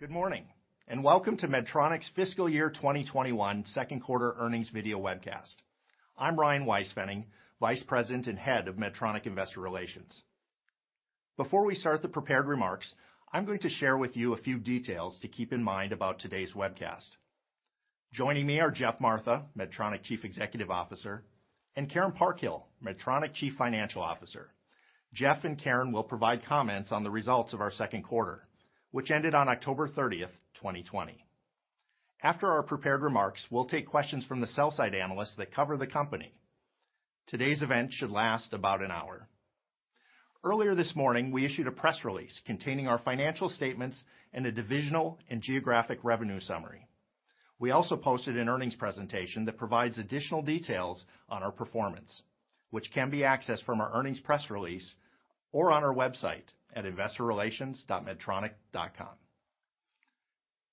Good morning, and welcome to Medtronic's fiscal year 2021 second quarter earnings video webcast. I'm Ryan Weispfenning, Vice President and Head of Medtronic Investor Relations. Before we start the prepared remarks, I'm going to share with you a few details to keep in mind about today's webcast. Joining me are Geoff Martha, Medtronic Chief Executive Officer, and Karen Parkhill, Medtronic Chief Financial Officer. Geoff and Karen will provide comments on the results of our second quarter, which ended on October 30th, 2020. After our prepared remarks, we'll take questions from the sell-side analysts that cover the company. Today's event should last about an hour. Earlier this morning, we issued a press release containing our financial statements and a divisional and geographic revenue summary. We also posted an earnings presentation that provides additional details on our performance, which can be accessed from our earnings press release or on our website at investorrelations.medtronic.com.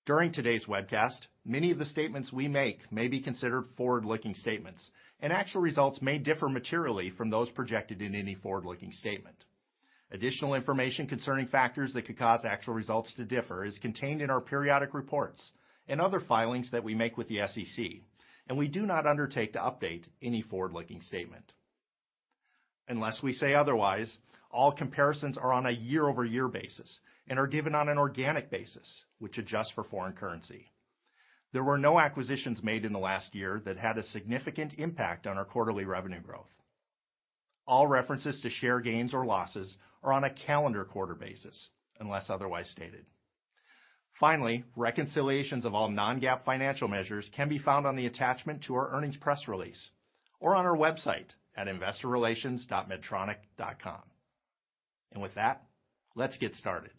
During today's webcast, many of the statements we make may be considered forward-looking statements, and actual results may differ materially from those projected in any forward-looking statement. Additional information concerning factors that could cause actual results to differ is contained in our periodic reports and other filings that we make with the SEC, and we do not undertake to update any forward-looking statement. Unless we say otherwise, all comparisons are on a year-over-year basis and are given on an organic basis, which adjusts for foreign currency. There were no acquisitions made in the last year that had a significant impact on our quarterly revenue growth. All references to share gains or losses are on a calendar quarter basis, unless otherwise stated. Finally, reconciliations of all non-GAAP financial measures can be found on the attachment to our earnings press release or on our website at investorrelations.medtronic.com. With that, let's get started.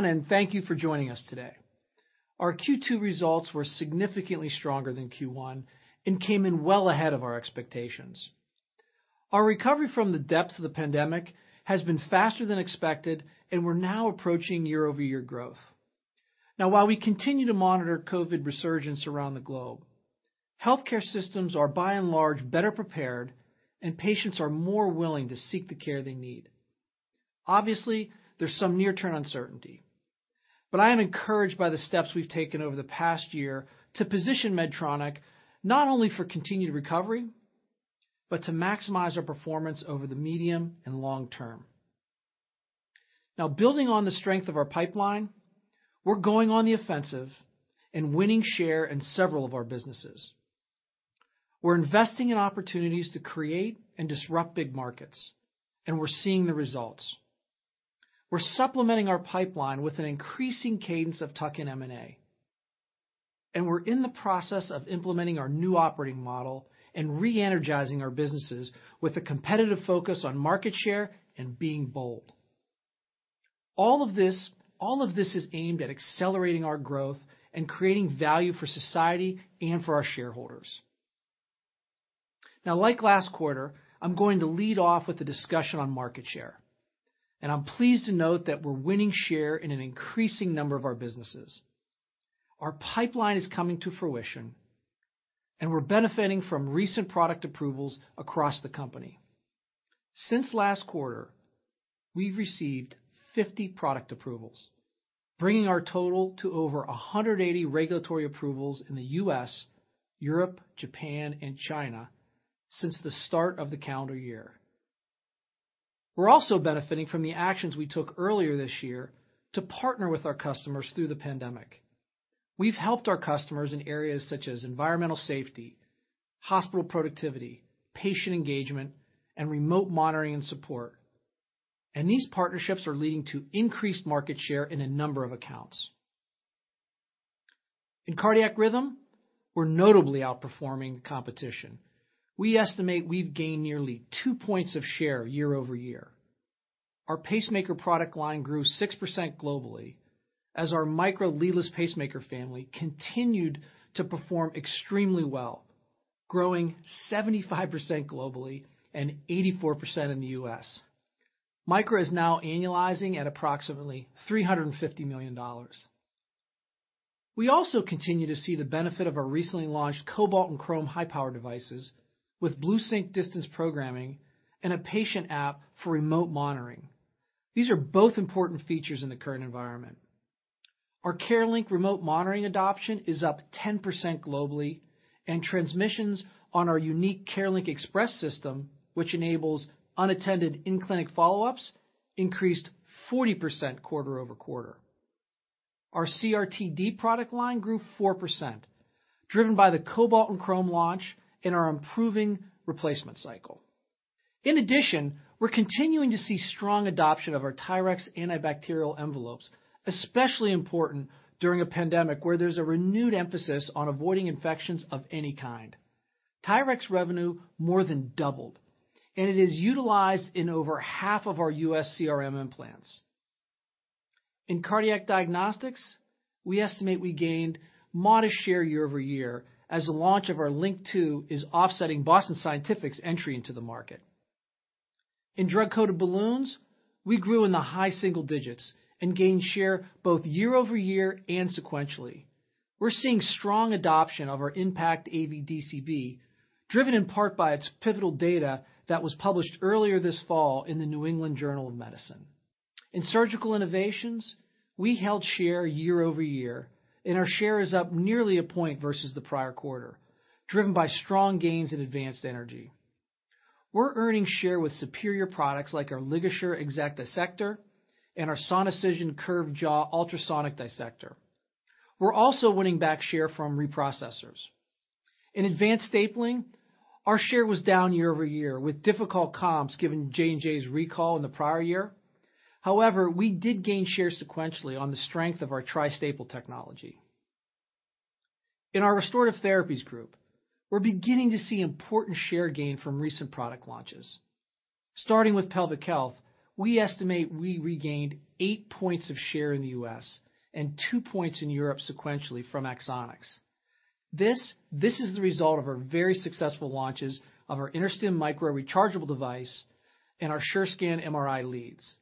Hello, everyone, and thank you for joining us today. Our Q2 results were significantly stronger than Q1 and came in well ahead of our expectations. Our recovery from the depths of the pandemic has been faster than expected, and we're now approaching year-over-year growth. Now, while we continue to monitor COVID resurgence around the globe, healthcare systems are by and large better prepared, and patients are more willing to seek the care they need. Obviously, there's some near-term uncertainty, but I am encouraged by the steps we've taken over the past year to position Medtronic, not only for continued recovery, but to maximize our performance over the medium and long term. Now, building on the strength of our pipeline, we're going on the offensive and winning share in several of our businesses. We're investing in opportunities to create and disrupt big markets, and we're seeing the results. We're supplementing our pipeline with an increasing cadence of tuck-in M&A, and we're in the process of implementing our new operating model and re-energizing our businesses with a competitive focus on market share and being bold. All of this is aimed at accelerating our growth and creating value for society and for our shareholders. Like last quarter, I'm going to lead off with a discussion on market share, and I'm pleased to note that we're winning share in an increasing number of our businesses. Our pipeline is coming to fruition, and we're benefiting from recent product approvals across the company. Since last quarter, we've received 50 product approvals, bringing our total to over 180 regulatory approvals in the U.S., Europe, Japan, and China since the start of the calendar year. We're also benefiting from the actions we took earlier this year to partner with our customers through the pandemic. We've helped our customers in areas such as environmental safety, hospital productivity, patient engagement, and remote monitoring and support. These partnerships are leading to increased market share in a number of accounts. In Cardiac Rhythm, we're notably outperforming the competition. We estimate we've gained nearly two points of share year-over-year. Our pacemaker product line grew 6% globally as our Micra leadless pacemaker family continued to perform extremely well, growing 75% globally and 84% in the U.S. Micra is now annualizing at approximately $350 million. We also continue to see the benefit of our recently launched Cobalt and Crome high-power devices with BlueSync distance programming and a patient app for remote monitoring. These are both important features in the current environment. Our CareLink remote monitoring adoption is up 10% globally, and transmissions on our unique CareLink Express system, which enables unattended in-clinic follow-ups, increased 40% quarter-over-quarter. Our CRT-D product line grew 4%, driven by the Cobalt and Crome launch and our improving replacement cycle. In addition, we're continuing to see strong adoption of our TYRX antibacterial envelopes, especially important during a pandemic where there's a renewed emphasis on avoiding infections of any kind. TYRX revenue more than doubled, and it is utilized in over half of our U.S. CRM implants. In cardiac diagnostics, we estimate we gained modest share year-over-year as the launch of our LINQ II is offsetting Boston Scientific's entry into the market. In Drug Coated Balloons, we grew in the high single digits and gained share both year-over-year and sequentially. We're seeing strong adoption of our IN.PACT AV DCB, driven in part by its pivotal data that was published earlier this fall in The New England Journal of Medicine. In Surgical Innovations, we held share year-over-year. Our share is up nearly a point versus the prior quarter, driven by strong gains in Advanced Energy. We're earning share with superior products like our LigaSure Exact Dissector and our Sonicision Curved Jaw Ultrasonic Dissector. We're also winning back share from reprocessors. In Advanced Stapling, our share was down year-over-year with difficult comps given J&J's recall in the prior year. We did gain share sequentially on the strength of our Tri-Staple technology. In our Restorative Therapies Group, we're beginning to see important share gain from recent product launches. Starting with Pelvic Health, we estimate we regained eight points of share in the U.S. and two points in Europe sequentially from Axonics. This is the result of our very successful launches of our InterStim Micro rechargeable device and our SureScan MRI leads.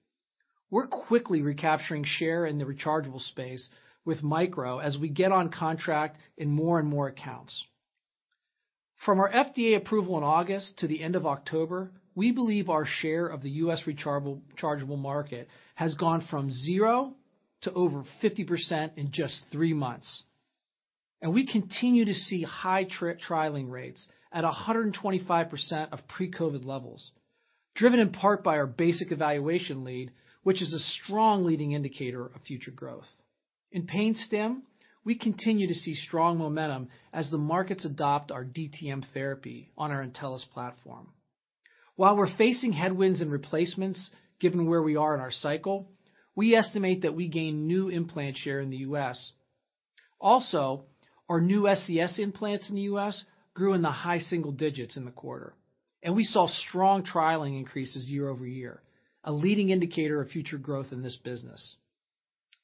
We're quickly recapturing share in the rechargeable space with Micro as we get on contract in more and more accounts. From our FDA approval in August to the end of October, we believe our share of the U.S. rechargeable market has gone from zero to over 50% in just three months, and we continue to see high trialing rates at 125% of pre-COVID levels, driven in part by our basic evaluation lead, which is a strong leading indicator of future growth. In Pain Stim, we continue to see strong momentum as the markets adopt our DTM therapy on our Intellis platform. While we're facing headwinds and replacements, given where we are in our cycle, we estimate that we gain new implant share in the U.S. Our new SCS implants in the U.S. grew in the high single digits in the quarter, and we saw strong trialing increases year-over-year, a leading indicator of future growth in this business.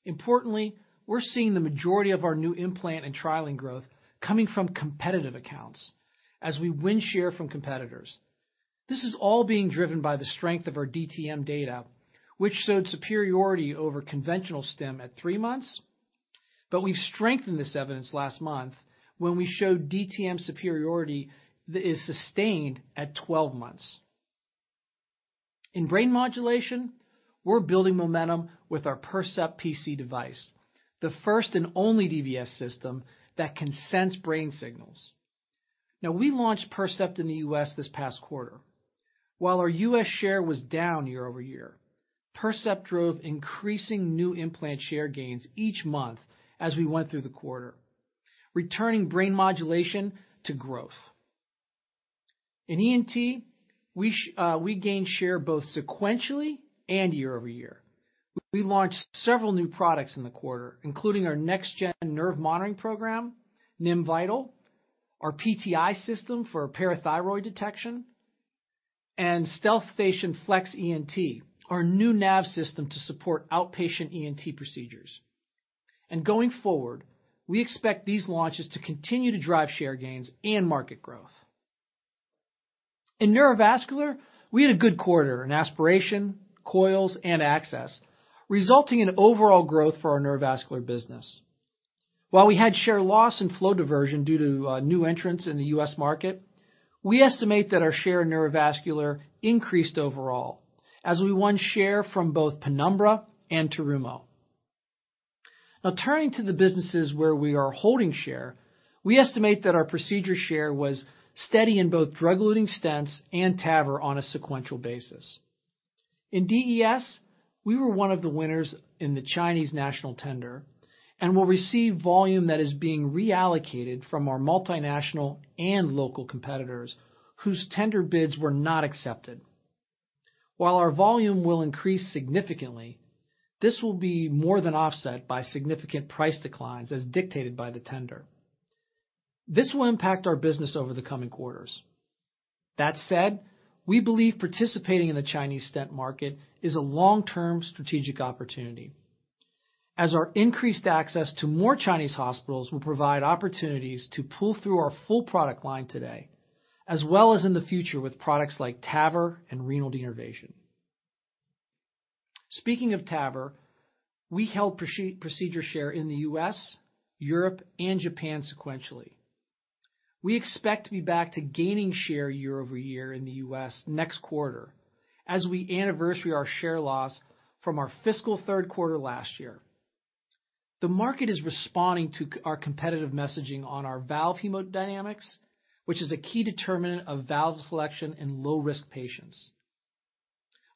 Importantly, we're seeing the majority of our new implant and trialing growth coming from competitive accounts as we win share from competitors. This is all being driven by the strength of our DTM data, which showed superiority over conventional stim at three months, we've strengthened this evidence last month when we showed DTM superiority is sustained at 12 months. In Brain Modulation, we're building momentum with our Percept PC device, the first and only DBS system that can sense brain signals. We launched Percept in the U.S. this past quarter. While our U.S. share was down year-over-year, Percept drove increasing new implant share gains each month as we went through the quarter, returning Brain Modulation to growth. In ENT, we gained share both sequentially and year-over-year. We launched several new products in the quarter, including our next-gen nerve monitoring program, NIM Vital, our PTeye system for parathyroid detection, and StealthStation FlexENT, our new nav system to support outpatient ENT procedures. Going forward, we expect these launches to continue to drive share gains and market growth. In neurovascular, we had a good quarter in aspiration, coils, and access, resulting in overall growth for our neurovascular business. While we had share loss and flow diversion due to new entrants in the U.S. market, we estimate that our share in neurovascular increased overall as we won share from both Penumbra and Terumo. Turning to the businesses where we are holding share, we estimate that our procedure share was steady in both drug-eluting stents and TAVR on a sequential basis. In DES, we were one of the winners in the Chinese national tender and will receive volume that is being reallocated from our multinational and local competitors whose tender bids were not accepted. Our volume will increase significantly, this will be more than offset by significant price declines as dictated by the tender. This will impact our business over the coming quarters. That said, we believe participating in the Chinese stent market is a long-term strategic opportunity, as our increased access to more Chinese hospitals will provide opportunities to pull through our full product line today, as well as in the future with products like TAVR and renal denervation. Speaking of TAVR, we held procedure share in the U.S., Europe, and Japan sequentially. We expect to be back to gaining share year-over-year in the U.S. next quarter as we anniversary our share loss from our fiscal third quarter last year. The market is responding to our competitive messaging on our valve hemodynamics, which is a key determinant of valve selection in low-risk patients.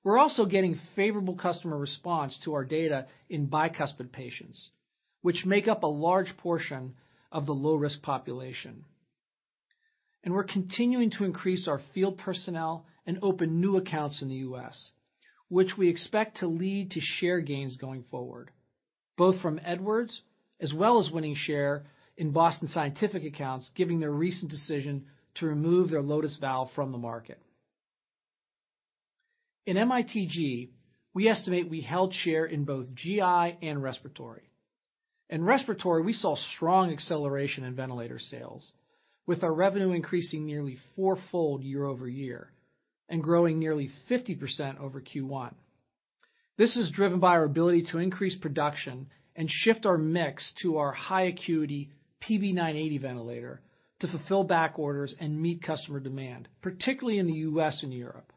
We're also getting favorable customer response to our data in bicuspid patients, which make up a large portion of the low-risk population. We're continuing to increase our field personnel and open new accounts in the U.S., which we expect to lead to share gains going forward. Both from Edwards as well as winning share in Boston Scientific accounts, given their recent decision to remove their Lotus valve from the market. In MITG, we estimate we held share in both GI and Respiratory. In respiratory, we saw strong acceleration in ventilator sales, with our revenue increasing nearly four-fold year-over-year and growing nearly 50% over Q1. This is driven by our ability to increase production and shift our mix to our high acuity PB980 ventilator to fulfill back orders and meet customer demand, particularly in the U.S. and Europe.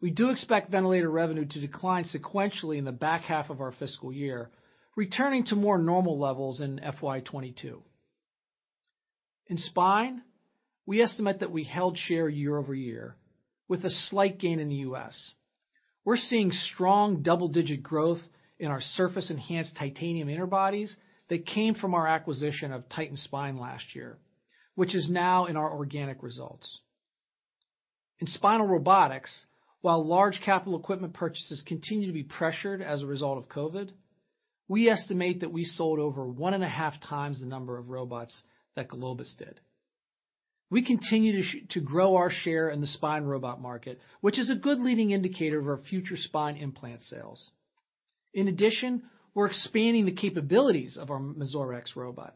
We do expect ventilator revenue to decline sequentially in the back half of our fiscal year, returning to more normal levels in FY 2022. In spine, we estimate that we held share year-over-year with a slight gain in the U.S. We're seeing strong double-digit growth in our surface enhanced titanium interbodies that came from our acquisition of Titan Spine last year, which is now in our organic results. In spinal robotics, while large capital equipment purchases continue to be pressured as a result of COVID, we estimate that we sold over 1.5x the number of robots that Globus did. We continue to grow our share in the spine robot market, which is a good leading indicator of our future spine implant sales. In addition, we're expanding the capabilities of our Mazor X robot.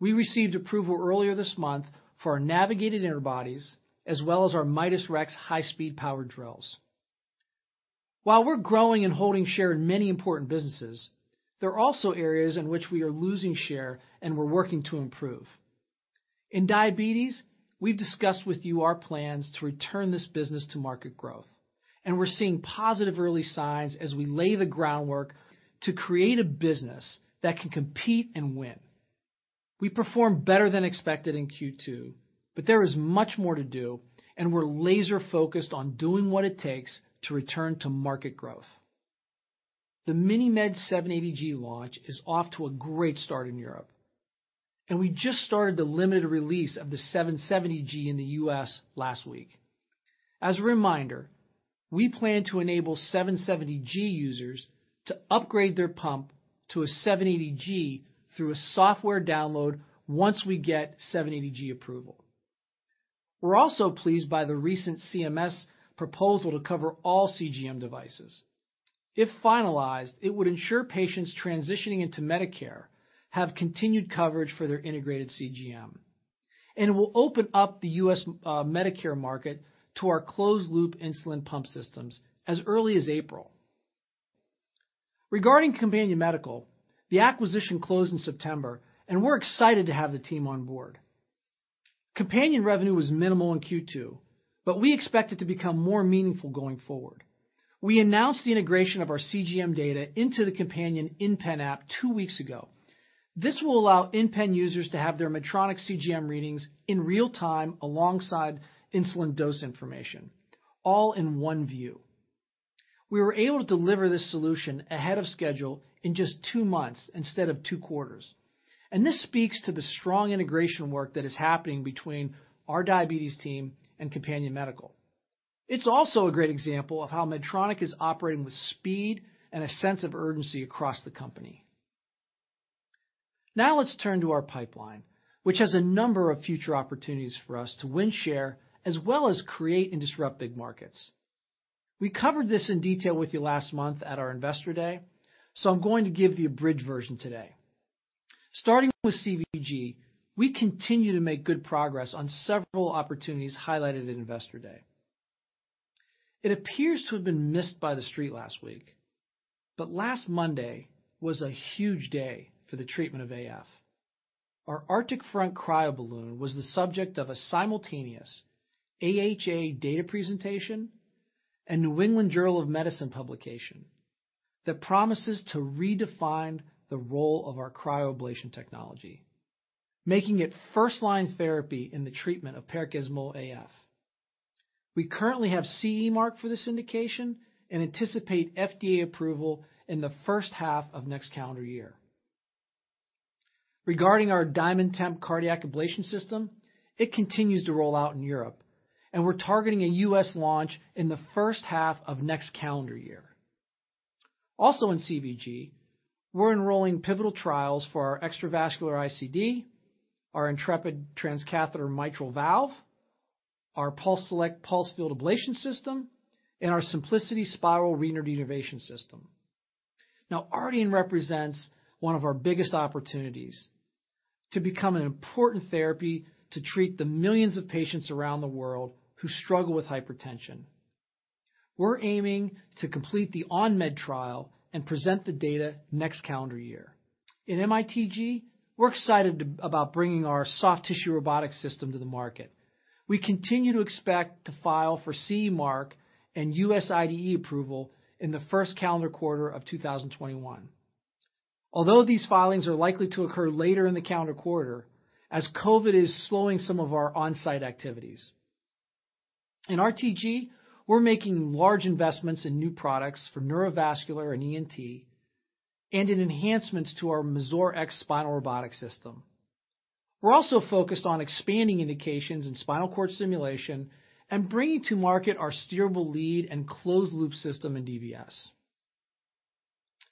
We received approval earlier this month for our navigated interbodies as well as our Midas Rex high-speed power drills. While we're growing and holding share in many important businesses, there are also areas in which we are losing share and we're working to improve. In diabetes, we've discussed with you our plans to return this business to market growth, and we're seeing positive early signs as we lay the groundwork to create a business that can compete and win. We performed better than expected in Q2, but there is much more to do, and we're laser focused on doing what it takes to return to market growth. The MiniMed 780G launch is off to a great start in Europe, and we just started the limited release of the 770G in the U.S. last week. As a reminder, we plan to enable 770G users to upgrade their pump to a 780G through a software download, once we get 780G approval. We're also pleased by the recent CMS proposal to cover all CGM devices. If finalized, it would ensure patients transitioning into Medicare have continued coverage for their integrated CGM, and it will open up the U.S. Medicare market to our closed loop insulin pump systems as early as April. Regarding Companion Medical, the acquisition closed in September, and we're excited to have the team on board. Companion revenue was minimal in Q2. We expect it to become more meaningful going forward. We announced the integration of our CGM data into the Companion InPen app two weeks ago. This will allow InPen users to have their Medtronic CGM readings in real time alongside insulin dose information, all in one view. We were able to deliver this solution ahead of schedule in just two months instead of two quarters. This speaks to the strong integration work that is happening between our diabetes team and Companion Medical. It's also a great example of how Medtronic is operating with speed and a sense of urgency across the company. Let's turn to our pipeline, which has a number of future opportunities for us to win share, as well as create and disrupt big markets. We covered this in detail with you last month at our Investor Day, I'm going to give the abridged version today. Starting with CVG, we continue to make good progress on several opportunities highlighted at Investor Day. It appears to have been missed by the Street last week, last Monday was a huge day for the treatment of AF. Our Arctic Front Cryoballoon was the subject of a simultaneous AHA data presentation and The New England Journal of Medicine publication that promises to redefine the role of our cryoablation technology, making it first line therapy in the treatment of paroxysmal AF. We currently have CE mark for this indication and anticipate FDA approval in the first half of next calendar year. Regarding our DiamondTemp cardiac ablation system, it continues to roll out in Europe, and we're targeting a U.S. launch in the first half of next calendar year. Also in CVG, we're enrolling pivotal trials for our extravascular ICD, our Intrepid transcatheter mitral valve, our PulseSelect pulsed field ablation system, and our Symplicity Spyral renal denervation system. Now, Ardian represents one of our biggest opportunities to become an important therapy to treat the millions of patients around the world who struggle with hypertension. We're aiming to complete the ON MED trial and present the data next calendar year. In MITG, we're excited about bringing our soft tissue robotic system to the market. We continue to expect to file for CE mark and U.S. IDE approval in the first calendar quarter of 2021. Although these filings are likely to occur later in the calendar quarter, as COVID is slowing some of our on-site activities. In RTG, we're making large investments in new products for neurovascular and ENT and in enhancements to our Mazor X spinal robotic system. We're also focused on expanding indications in spinal cord stimulation and bringing to market our steerable lead and closed loop system in DBS.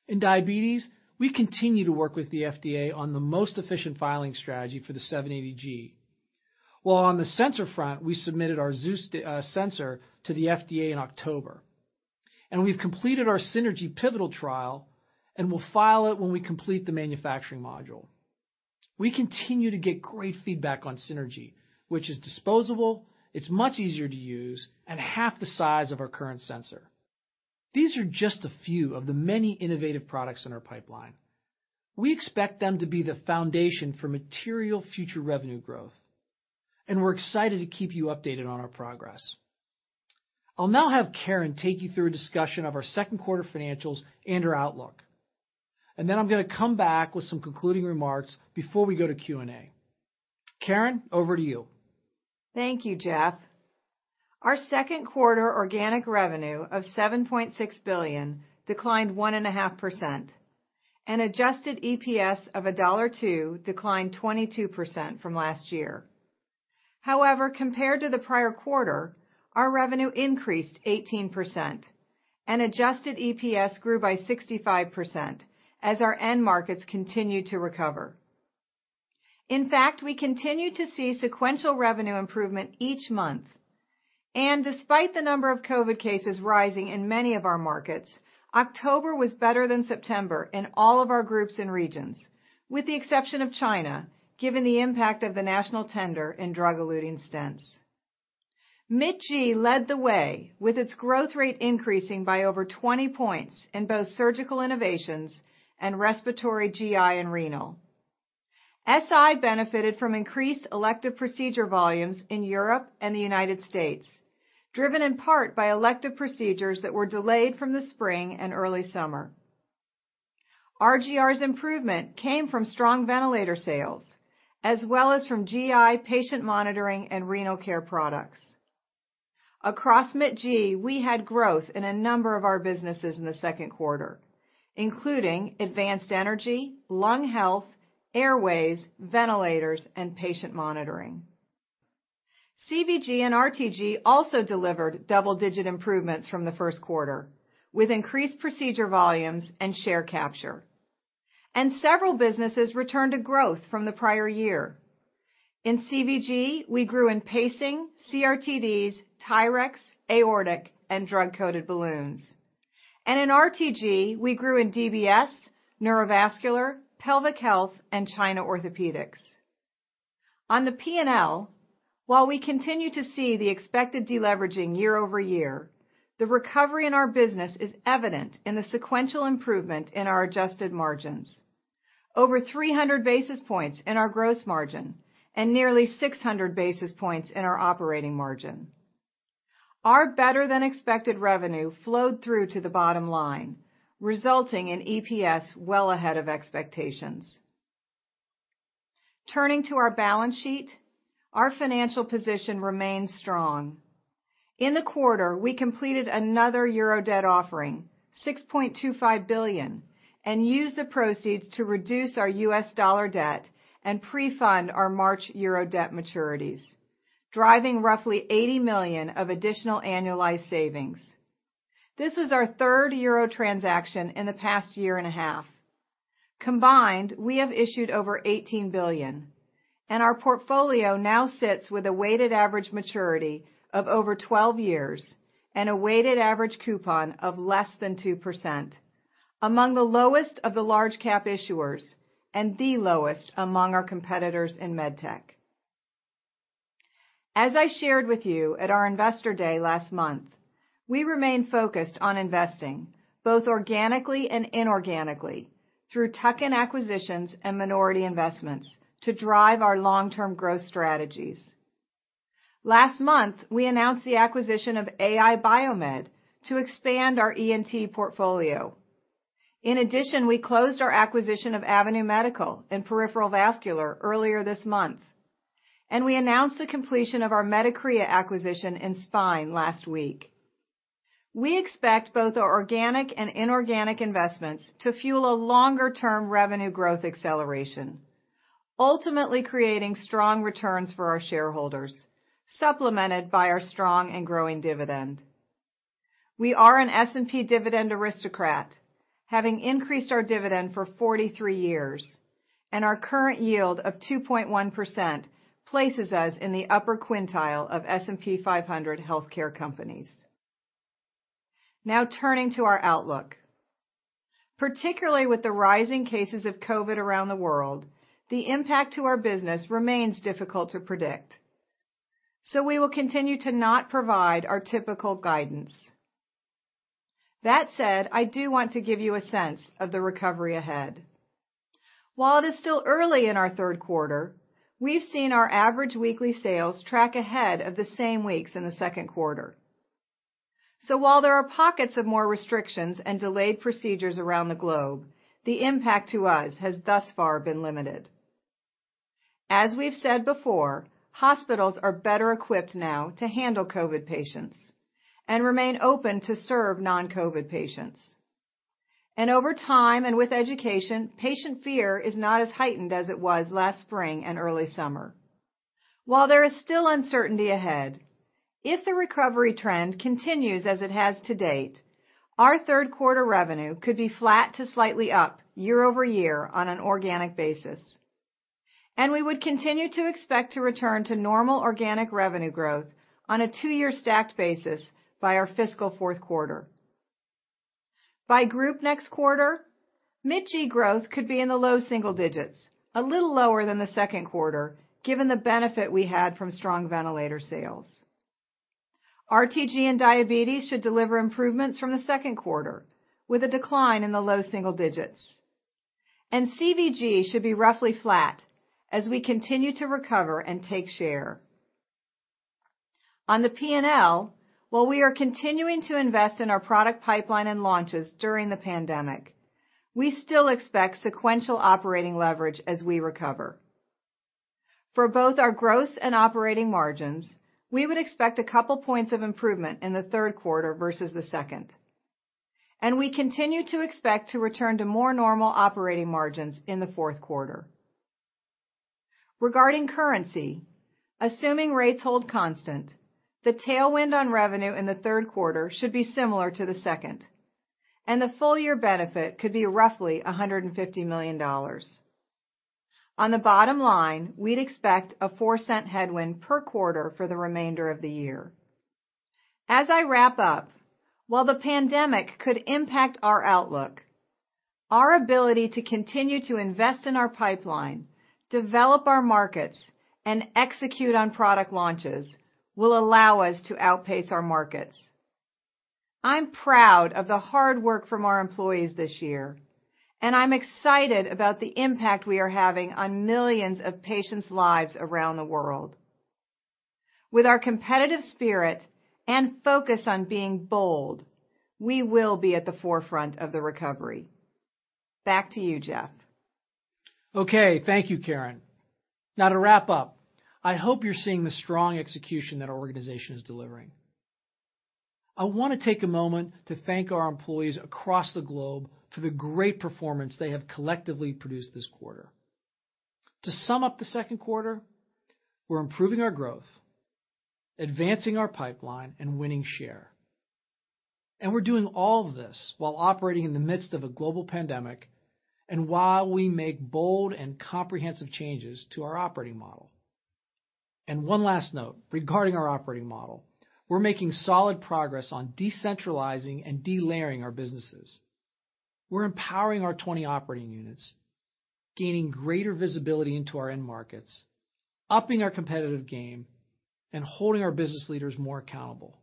In diabetes, we continue to work with the FDA on the most efficient filing strategy for the 780G. While on the sensor front, we submitted our Zeus sensor to the FDA in October. We've completed our Synergy pivotal trial, and will file it when we complete the manufacturing module. We continue to get great feedback on Synergy, which is disposable, it's much easier to use, and half the size of our current sensor. These are just a few of the many innovative products in our pipeline. We expect them to be the foundation for material future revenue growth. We're excited to keep you updated on our progress. I'll now have Karen take you through a discussion of our second quarter financials and our outlook. Then I'm going to come back with some concluding remarks before we go to Q&A. Karen, over to you. Thank you, Geoff. Our second quarter organic revenue of $7.6 billion declined 1.5%. Adjusted EPS of $1.02 declined 22% from last year. However, compared to the prior quarter, our revenue increased 18% and adjusted EPS grew by 65% as our end markets continue to recover. In fact, we continue to see sequential revenue improvement each month. Despite the number of COVID cases rising in many of our markets, October was better than September in all of our groups and regions. With the exception of China, given the impact of the national tender in drug-eluting stents. MITG led the way with its growth rate increasing by over 20 points in both Surgical Innovations and Respiratory, GI, and Renal. SI benefited from increased elective procedure volumes in Europe and the United States, driven in part by elective procedures that were delayed from the spring and early summer. RGR's improvement came from strong ventilator sales, as well as from GI, patient monitoring, and renal care products. Across MITG, we had growth in a number of our businesses in the second quarter, including Advanced Energy, lung health, airways, ventilators, and patient monitoring. CVG and RTG also delivered double-digit improvements from the first quarter, with increased procedure volumes and share capture. Several businesses returned to growth from the prior year. In CVG, we grew in pacing, CRT-Ds, TYRX, aortic, and drug-coated balloons. In RTG, we grew in DBS, Neurovascular, Pelvic Health, and China Orthopedics. On the P&L, while we continue to see the expected deleveraging year-over-year, the recovery in our business is evident in the sequential improvement in our adjusted margins. Over 300 basis points in our gross margin and nearly 600 basis points in our operating margin. Our better-than-expected revenue flowed through to the bottom line, resulting in EPS well ahead of expectations. Turning to our balance sheet, our financial position remains strong. In the quarter, we completed another euro debt offering, 6.25 billion, and used the proceeds to reduce our U.S. Dollar debt and pre-fund our March euro debt maturities, driving roughly $80 million of additional annualized savings. This was our third euro transaction in the past year and a half. Combined, we have issued over $18 billion, and our portfolio now sits with a weighted average maturity of over 12 years and a weighted average coupon of less than 2%, among the lowest of the large cap issuers and the lowest among our competitors in medtech. As I shared with you at our investor day last month, we remain focused on investing, both organically and inorganically, through tuck-in acquisitions and minority investments to drive our long-term growth strategies. Last month, we announced the acquisition of Ai Biomed to expand our ENT portfolio. We closed our acquisition of Avenu Medical in peripheral vascular earlier this month. We announced the completion of our Medicrea acquisition in spine last week. We expect both our organic and inorganic investments to fuel a longer-term revenue growth acceleration, ultimately creating strong returns for our shareholders, supplemented by our strong and growing dividend. We are an S&P dividend aristocrat, having increased our dividend for 43 years, and our current yield of 2.1% places us in the upper quintile of S&P 500 healthcare companies. Turning to our outlook. Particularly with the rising cases of COVID around the world, the impact to our business remains difficult to predict. We will continue to not provide our typical guidance. That said, I do want to give you a sense of the recovery ahead. While it is still early in our third quarter, we've seen our average weekly sales track ahead of the same weeks in the second quarter. While there are pockets of more restrictions and delayed procedures around the globe, the impact to us has thus far been limited. As we've said before, hospitals are better equipped now to handle COVID patients and remain open to serve non-COVID patients. Over time and with education, patient fear is not as heightened as it was last spring and early summer. While there is still uncertainty ahead, if the recovery trend continues as it has to date, our third quarter revenue could be flat to slightly up year-over-year on an organic basis. We would continue to expect to return to normal organic revenue growth on a two-year stacked basis by our fiscal fourth quarter. By group next quarter, MITG growth could be in the low single digits, a little lower than the second quarter, given the benefit we had from strong ventilator sales. RTG and diabetes should deliver improvements from the second quarter, with a decline in the low single digits. CVG should be roughly flat as we continue to recover and take share. On the P&L, while we are continuing to invest in our product pipeline and launches during the pandemic, we still expect sequential operating leverage as we recover. For both our gross and operating margins, we would expect a couple points of improvement in the third quarter versus the second. We continue to expect to return to more normal operating margins in the fourth quarter. Regarding currency, assuming rates hold constant, the tailwind on revenue in the third quarter should be similar to the second, and the full-year benefit could be roughly $150 million. On the bottom line, we'd expect a $0.04 headwind per quarter for the remainder of the year. As I wrap up, while the pandemic could impact our outlook, our ability to continue to invest in our pipeline, develop our markets, and execute on product launches will allow us to outpace our markets. I'm proud of the hard work from our employees this year, and I'm excited about the impact we are having on millions of patients' lives around the world. With our competitive spirit and focus on being bold, we will be at the forefront of the recovery. Back to you, Geoff. Thank you, Karen. I hope you're seeing the strong execution that our organization is delivering. I want to take a moment to thank our employees across the globe for the great performance they have collectively produced this quarter. To sum up the second quarter, we're improving our growth, advancing our pipeline, and winning share. We're doing all of this while operating in the midst of a global pandemic, and while we make bold and comprehensive changes to our operating model. One last note, regarding our operating model, we're making solid progress on decentralizing and delayering our businesses. We're empowering our 20 operating units, gaining greater visibility into our end markets, upping our competitive game, and holding our business leaders more accountable.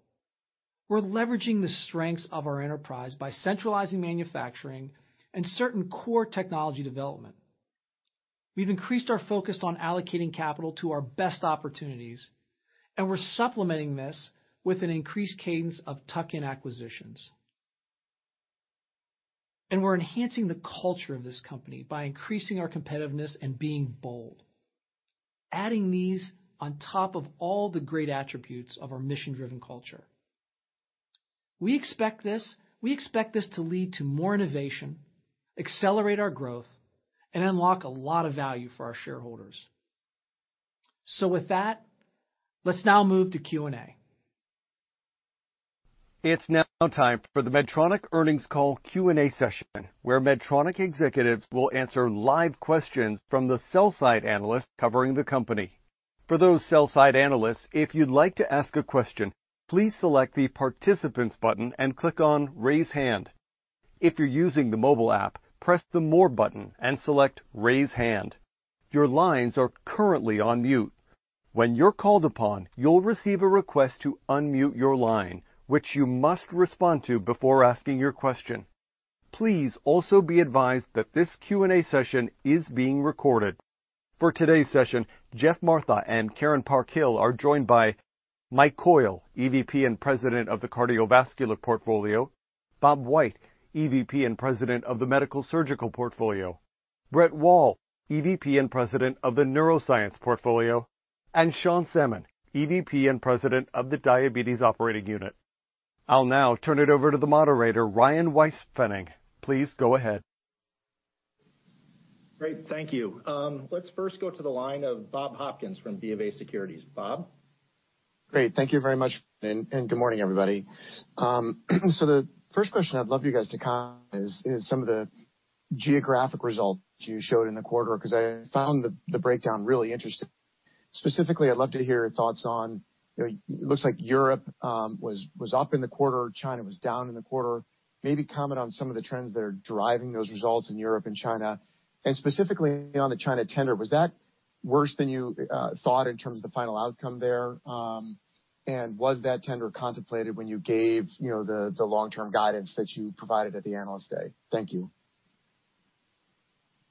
We're leveraging the strengths of our enterprise by centralizing manufacturing and certain core technology development. We've increased our focus on allocating capital to our best opportunities, and we're supplementing this with an increased cadence of tuck-in acquisitions. We're enhancing the culture of this company by increasing our competitiveness and being bold, adding these on top of all the great attributes of our mission-driven culture. We expect this to lead to more innovation, accelerate our growth, and unlock a lot of value for our shareholders. With that, let's now move to Q&A. It's now time for the Medtronic earnings call Q&A session, where Medtronic executives will answer live questions from the sell-side analysts covering the company. For those sell-side analysts, if you'd like to ask a question, please select the Participants button and click on Raise Hand. If you're using the mobile app, press the More button and select Raise Hand. Your lines are currently on mute. When you're called upon, you'll receive a request to unmute your line, which you must respond to before asking your question. Please also be advised that this Q&A session is being recorded. For today's session, Geoff Martha and Karen Parkhill are joined by Mike Coyle, EVP and President of the Cardiovascular Portfolio, Bob White, EVP and President of the Medical Surgical Portfolio, Brett Wall, EVP and President of the Neuroscience Portfolio, and Sean Salmon, EVP and President of the Diabetes Operating Unit. I'll now turn it over to the moderator, Ryan Weispfenning. Please go ahead. Great, thank you. Let's first go to the line of Bob Hopkins from BofA Securities. Bob? Great. Thank you very much, and good morning, everybody. The first question I'd love you guys to comment is some of the geographic results you showed in the quarter, because I found the breakdown really interesting. Specifically, I'd love to hear your thoughts on, it looks like Europe was up in the quarter. China was down in the quarter. Maybe comment on some of the trends that are driving those results in Europe and China. Specifically on the China tender, was that worse than you thought in terms of the final outcome there? Was that tender contemplated when you gave the long-term guidance that you provided at the Analyst Day? Thank you.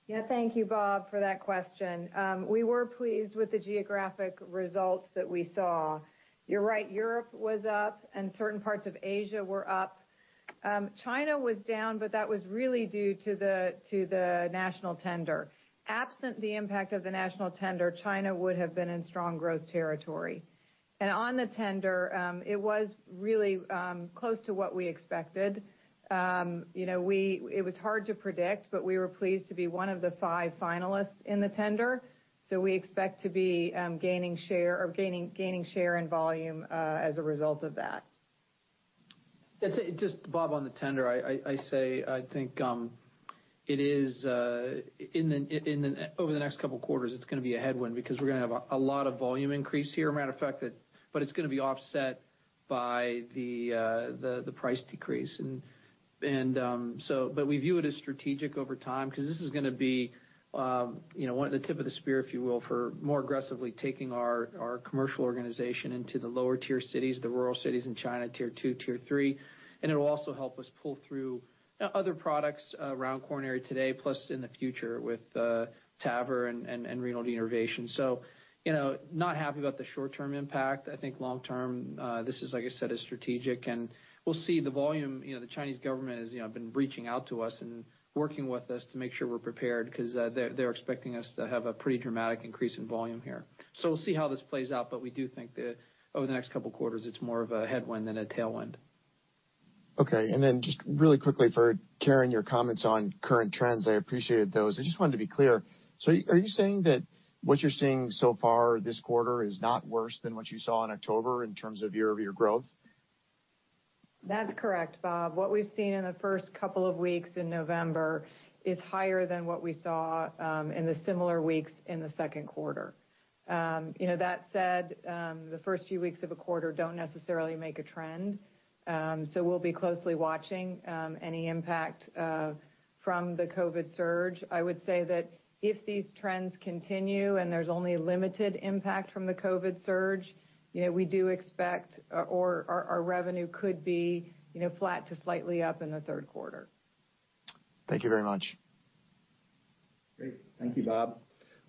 Yeah, thank you, Bob, for that question. We were pleased with the geographic results that we saw. You're right, Europe was up and certain parts of Asia were up. China was down, but that was really due to the national tender. Absent the impact of the national tender, China would have been in strong growth territory. On the tender, it was really close to what we expected. It was hard to predict, but we were pleased to be one of the five finalists in the tender. We expect to be gaining share or gaining share and volume as a result of that. Just Bob, on the tender, I say I think over the next couple of quarters, it's going to be a headwind because we're going to have a lot of volume increase here, matter of fact, but it's going to be offset by the price decrease. We view it as strategic over time because this is going to be the tip of the spear, if you will, for more aggressively taking our commercial organization into the lower tier cities, the rural cities in China, tier two, tier three. It'll also help us pull through other products around coronary today, plus in the future with TAVR and renal denervation. Not happy about the short-term impact. I think long-term, this is, like I said, is strategic, and we'll see the volume. The Chinese government has been reaching out to us and working with us to make sure we're prepared because they're expecting us to have a pretty dramatic increase in volume here. We'll see how this plays out, but we do think that over the next couple of quarters, it's more of a headwind than a tailwind. Just really quickly for Karen, your comments on current trends, I appreciated those. I just wanted to be clear. Are you saying that what you're seeing so far this quarter is not worse than what you saw in October in terms of year-over-year growth? That's correct, Bob. What we've seen in the first couple of weeks in November is higher than what we saw in the similar weeks in the second quarter. That said, the first few weeks of a quarter don't necessarily make a trend. We'll be closely watching any impact from the COVID surge. I would say that if these trends continue and there's only limited impact from the COVID surge, our revenue could be flat to slightly up in the third quarter. Thank you very much. Great. Thank you, Bob.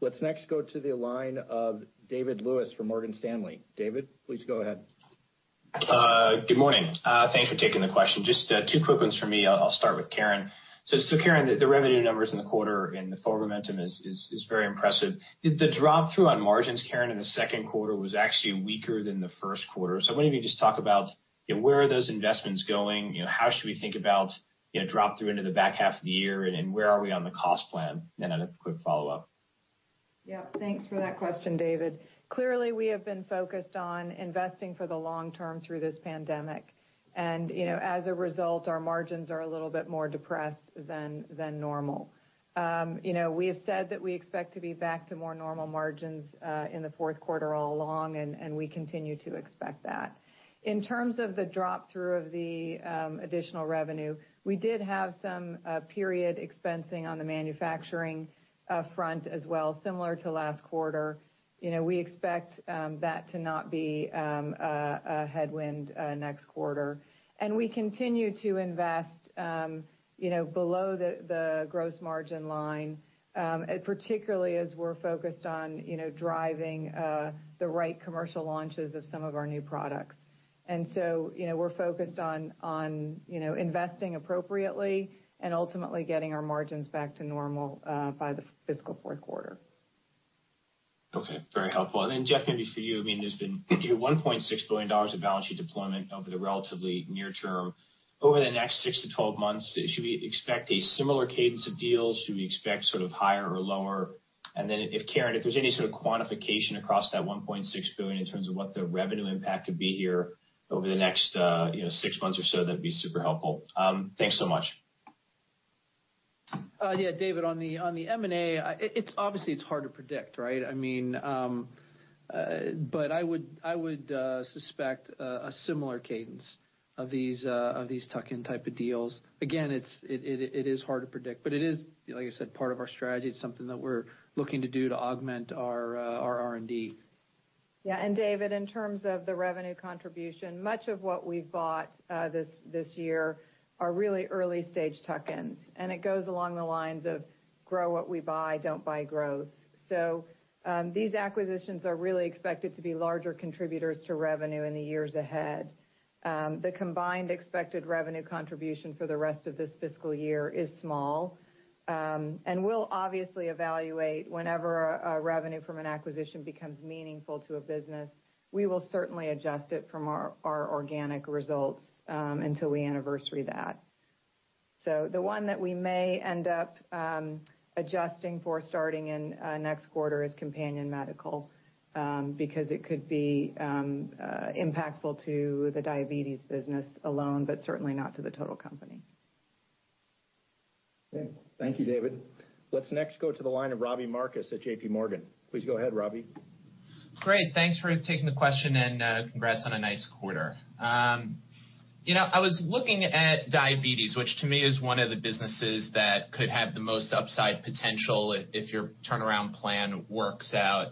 Let's next go to the line of David Lewis from Morgan Stanley. David, please go ahead. Good morning. Thanks for taking the question. Just two quick ones from me. I will start with Karen. Karen, the revenue numbers in the quarter and the forward momentum is very impressive. The drop-through on margins, Karen, in the second quarter was actually weaker than the first quarter. I wonder if you could just talk about where are those investments going, how should we think about drop-through into the back half of the year, and where are we on the cost plan? A quick follow-up. Yeah. Thanks for that question, David. Clearly, we have been focused on investing for the long term through this pandemic. As a result, our margins are a little bit more depressed than normal. We have said that we expect to be back to more normal margins in the fourth quarter all along, and we continue to expect that. In terms of the drop-through of the additional revenue, we did have some period expensing on the manufacturing front as well, similar to last quarter. We expect that to not be a headwind next quarter. We continue to invest below the gross margin line, particularly as we're focused on driving the right commercial launches of some of our new products. We're focused on investing appropriately and ultimately getting our margins back to normal by the fiscal fourth quarter. Okay. Very helpful. Geoff, maybe for you, there's been $1.6 billion of balance sheet deployment over the relatively near term. Over the next 6-12 months, should we expect a similar cadence of deals? Should we expect sort of higher or lower? If, Karen, if there's any sort of quantification across that $1.6 billion in terms of what the revenue impact could be here over the next six months or so, that'd be super helpful. Thanks so much. Yeah, David, on the M&A, obviously it's hard to predict, right? I would suspect a similar cadence of these tuck-in type of deals. Again, it is hard to predict, but it is, like I said, part of our strategy. It's something that we're looking to do to augment our R&D. Yeah. David, in terms of the revenue contribution, much of what we've bought this year are really early-stage tuck-ins, and it goes along the lines of grow what we buy, don't buy growth. These acquisitions are really expected to be larger contributors to revenue in the years ahead. The combined expected revenue contribution for the rest of this fiscal year is small. We'll obviously evaluate whenever a revenue from an acquisition becomes meaningful to a business. We will certainly adjust it from our organic results until we anniversary that. The one that we may end up adjusting for starting in next quarter is Companion Medical because it could be impactful to the diabetes business alone, but certainly not to the total company. Okay. Thank you, David. Let's next go to the line of Robbie Marcus at JPMorgan. Please go ahead, Robbie. Great. Thanks for taking the question and congrats on a nice quarter. I was looking at diabetes, which to me is one of the businesses that could have the most upside potential if your turnaround plan works out.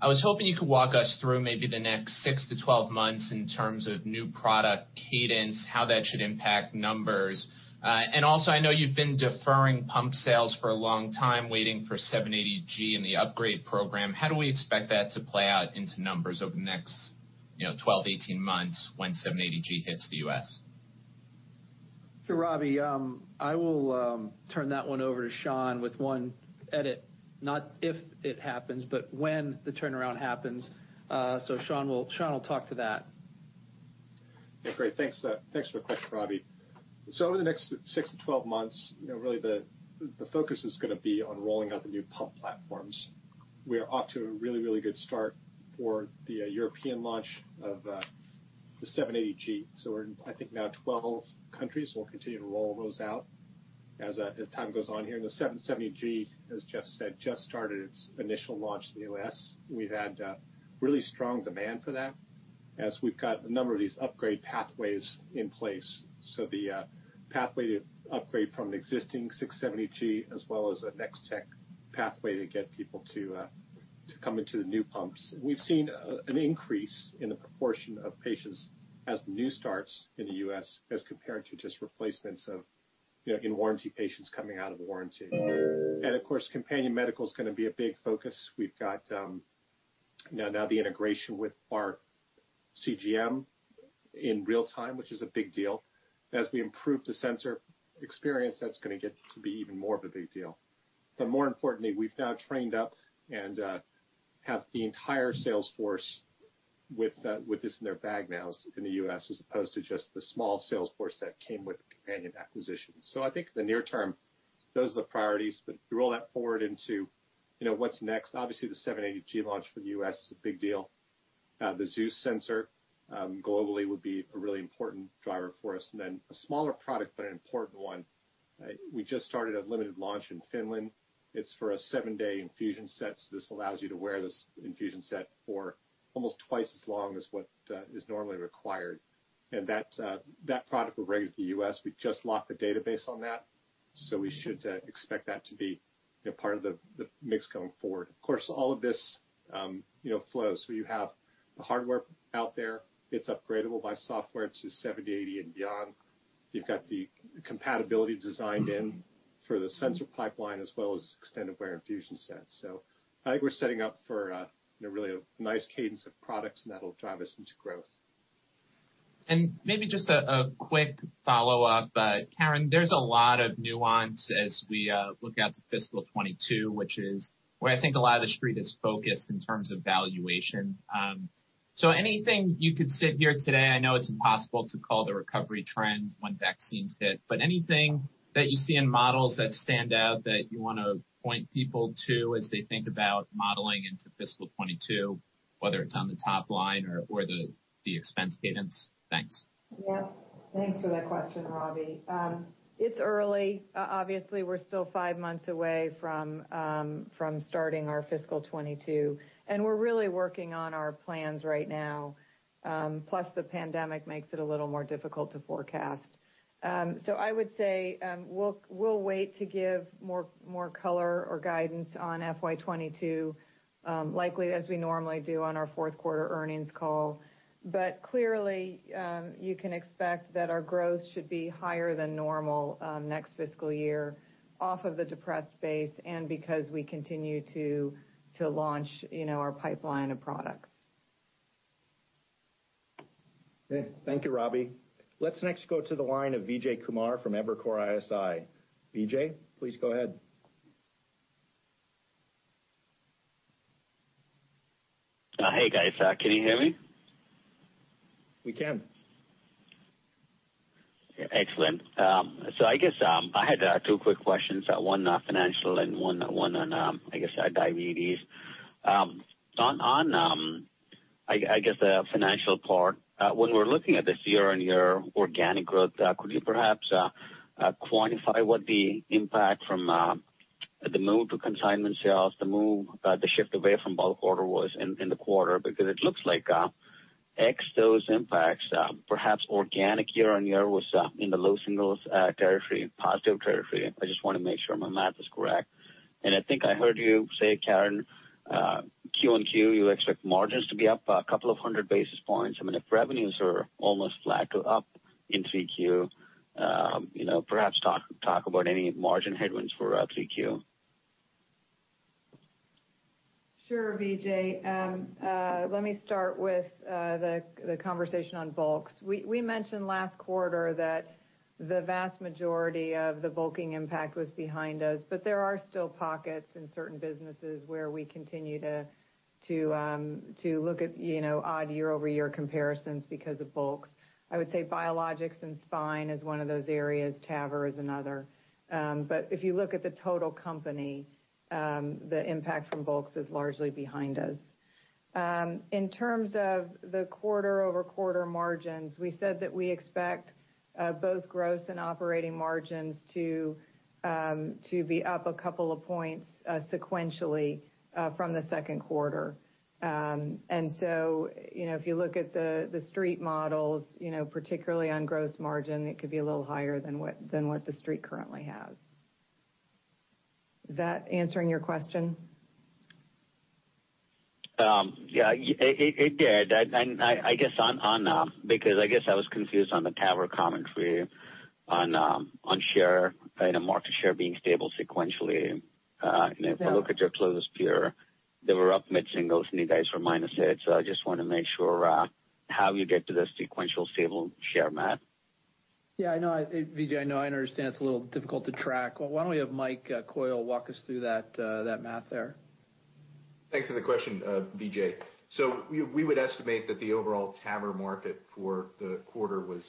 I was hoping you could walk us through maybe the next 6-12 months in terms of new product cadence, how that should impact numbers. Also, I know you've been deferring pump sales for a long time, waiting for 780G and the upgrade program. How do we expect that to play out into numbers over the next 12-18 months when 780G hits the U.S.? Sure, Robbie. I will turn that one over to Sean with one edit. Not if it happens, but when the turnaround happens. Sean will talk to that. Yeah, great. Thanks for the question, Robbie. Over the next 6-12 months, really the focus is going to be on rolling out the new pump platforms. We're off to a really good start for the European launch of the 780G. We're in, I think, now 12 countries. We'll continue to roll those out as time goes on here. The 770G, as Geoff said, just started its initial launch in the U.S. We've had really strong demand for that as we've got a number of these upgrade pathways in place: the pathway to upgrade from the existing 670G as well as a Next Tech Pathway to get people to come into the new pumps. We've seen an increase in the proportion of patients as new starts in the U.S. as compared to just replacements of in warranty patients coming out of warranty. Of course, Companion Medical is going to be a big focus. We've got now the integration with our CGM in real time, which is a big deal. As we improve the sensor experience, that's going to get to be even more of a big deal. More importantly, we've now trained up and have the entire sales force with this in their bag now in the U.S. as opposed to just the small sales force that came with the Companion acquisition. I think the near term, those are the priorities. If you roll that forward into what's next, obviously the 780G launch for the U.S. is a big deal. The Zeus sensor globally would be a really important driver for us. Then a smaller product, but an important one, we just started a limited launch in Finland. It's for a seven-day infusion set, so this allows you to wear this infusion set for almost twice as long as what is normally required. That product will roll out in the U.S. We just locked the database on that, so we should expect that to be part of the mix going forward. Of course, all of this flows. You have the hardware out there. It's upgradable by software to 770G, 780G, and beyond. You've got the compatibility designed in for the sensor pipeline as well as extended wear infusion sets. I think we're setting up for really a nice cadence of products, and that'll drive us into growth. Maybe just a quick follow-up. Karen, there's a lot of nuance as we look out to fiscal 2022, which is where I think a lot of the Street is focused in terms of valuation. Anything you could sit here today, I know it's impossible to call the recovery trend when vaccines hit, but anything that you see in models that stand out that you want to point people to as they think about modeling into fiscal 2022, whether it's on the top line or the expense cadence? Thanks. Yeah. Thanks for that question, Robbie. It's early. Obviously, we're still five months away from starting our fiscal 2022, and we're really working on our plans right now. Plus, the pandemic makes it a little more difficult to forecast. I would say we'll wait to give more color or guidance on FY 2022, likely as we normally do on our fourth quarter earnings call. Clearly, you can expect that our growth should be higher than normal next fiscal year off of the depressed base, and because we continue to launch our pipeline of products. Okay. Thank you, Robbie. Let's next go to the line of Vijay Kumar from Evercore ISI. Vijay, please go ahead. Hey, guys. Can you hear me? We can. Excellent. I guess I had two quick questions, one financial and one on, I guess, diabetes. On, I guess, the financial part, when we're looking at this year-over-year organic growth, could you perhaps quantify what the impact from the move to consignment sales, the shift away from bulk order was in the quarter? Because it looks like ex those impacts, perhaps organic year-over-year was in the low singles territory, positive territory. I just want to make sure my math is correct. I think I heard you say, Karen, Q-on-Q, you expect margins to be up a couple of hundred basis points. I mean, if revenues are almost flat to up in 3Q, perhaps talk about any margin headwinds for 3Q. Sure, Vijay. Let me start with the conversation on bulks. We mentioned last quarter that the vast majority of the bulking impact was behind us. There are still pockets in certain businesses where we continue to look at odd year-over-year comparisons because of bulks. I would say biologics and spine is one of those areas. TAVR is another. If you look at the total company, the impact from bulks is largely behind us. In terms of the quarter-over-quarter margins, we said that we expect both gross and operating margins to be up a couple of points sequentially from the second quarter. If you look at the street models, particularly on gross margin, it could be a little higher than what the street currently has. Is that answering your question? Yeah. It did. I guess I was confused on the TAVR commentary on share, market share being stable sequentially. Yeah. If I look at your closest peer. They were up mid-singles mid-year for minus eight. I just want to make sure how you get to the sequential stable share math. Yeah, I know, Vijay. I know and understand it's a little difficult to track. Why don't we have Mike Coyle walk us through that math there? Thanks for the question, Vijay. We would estimate that the overall TAVR market for the quarter was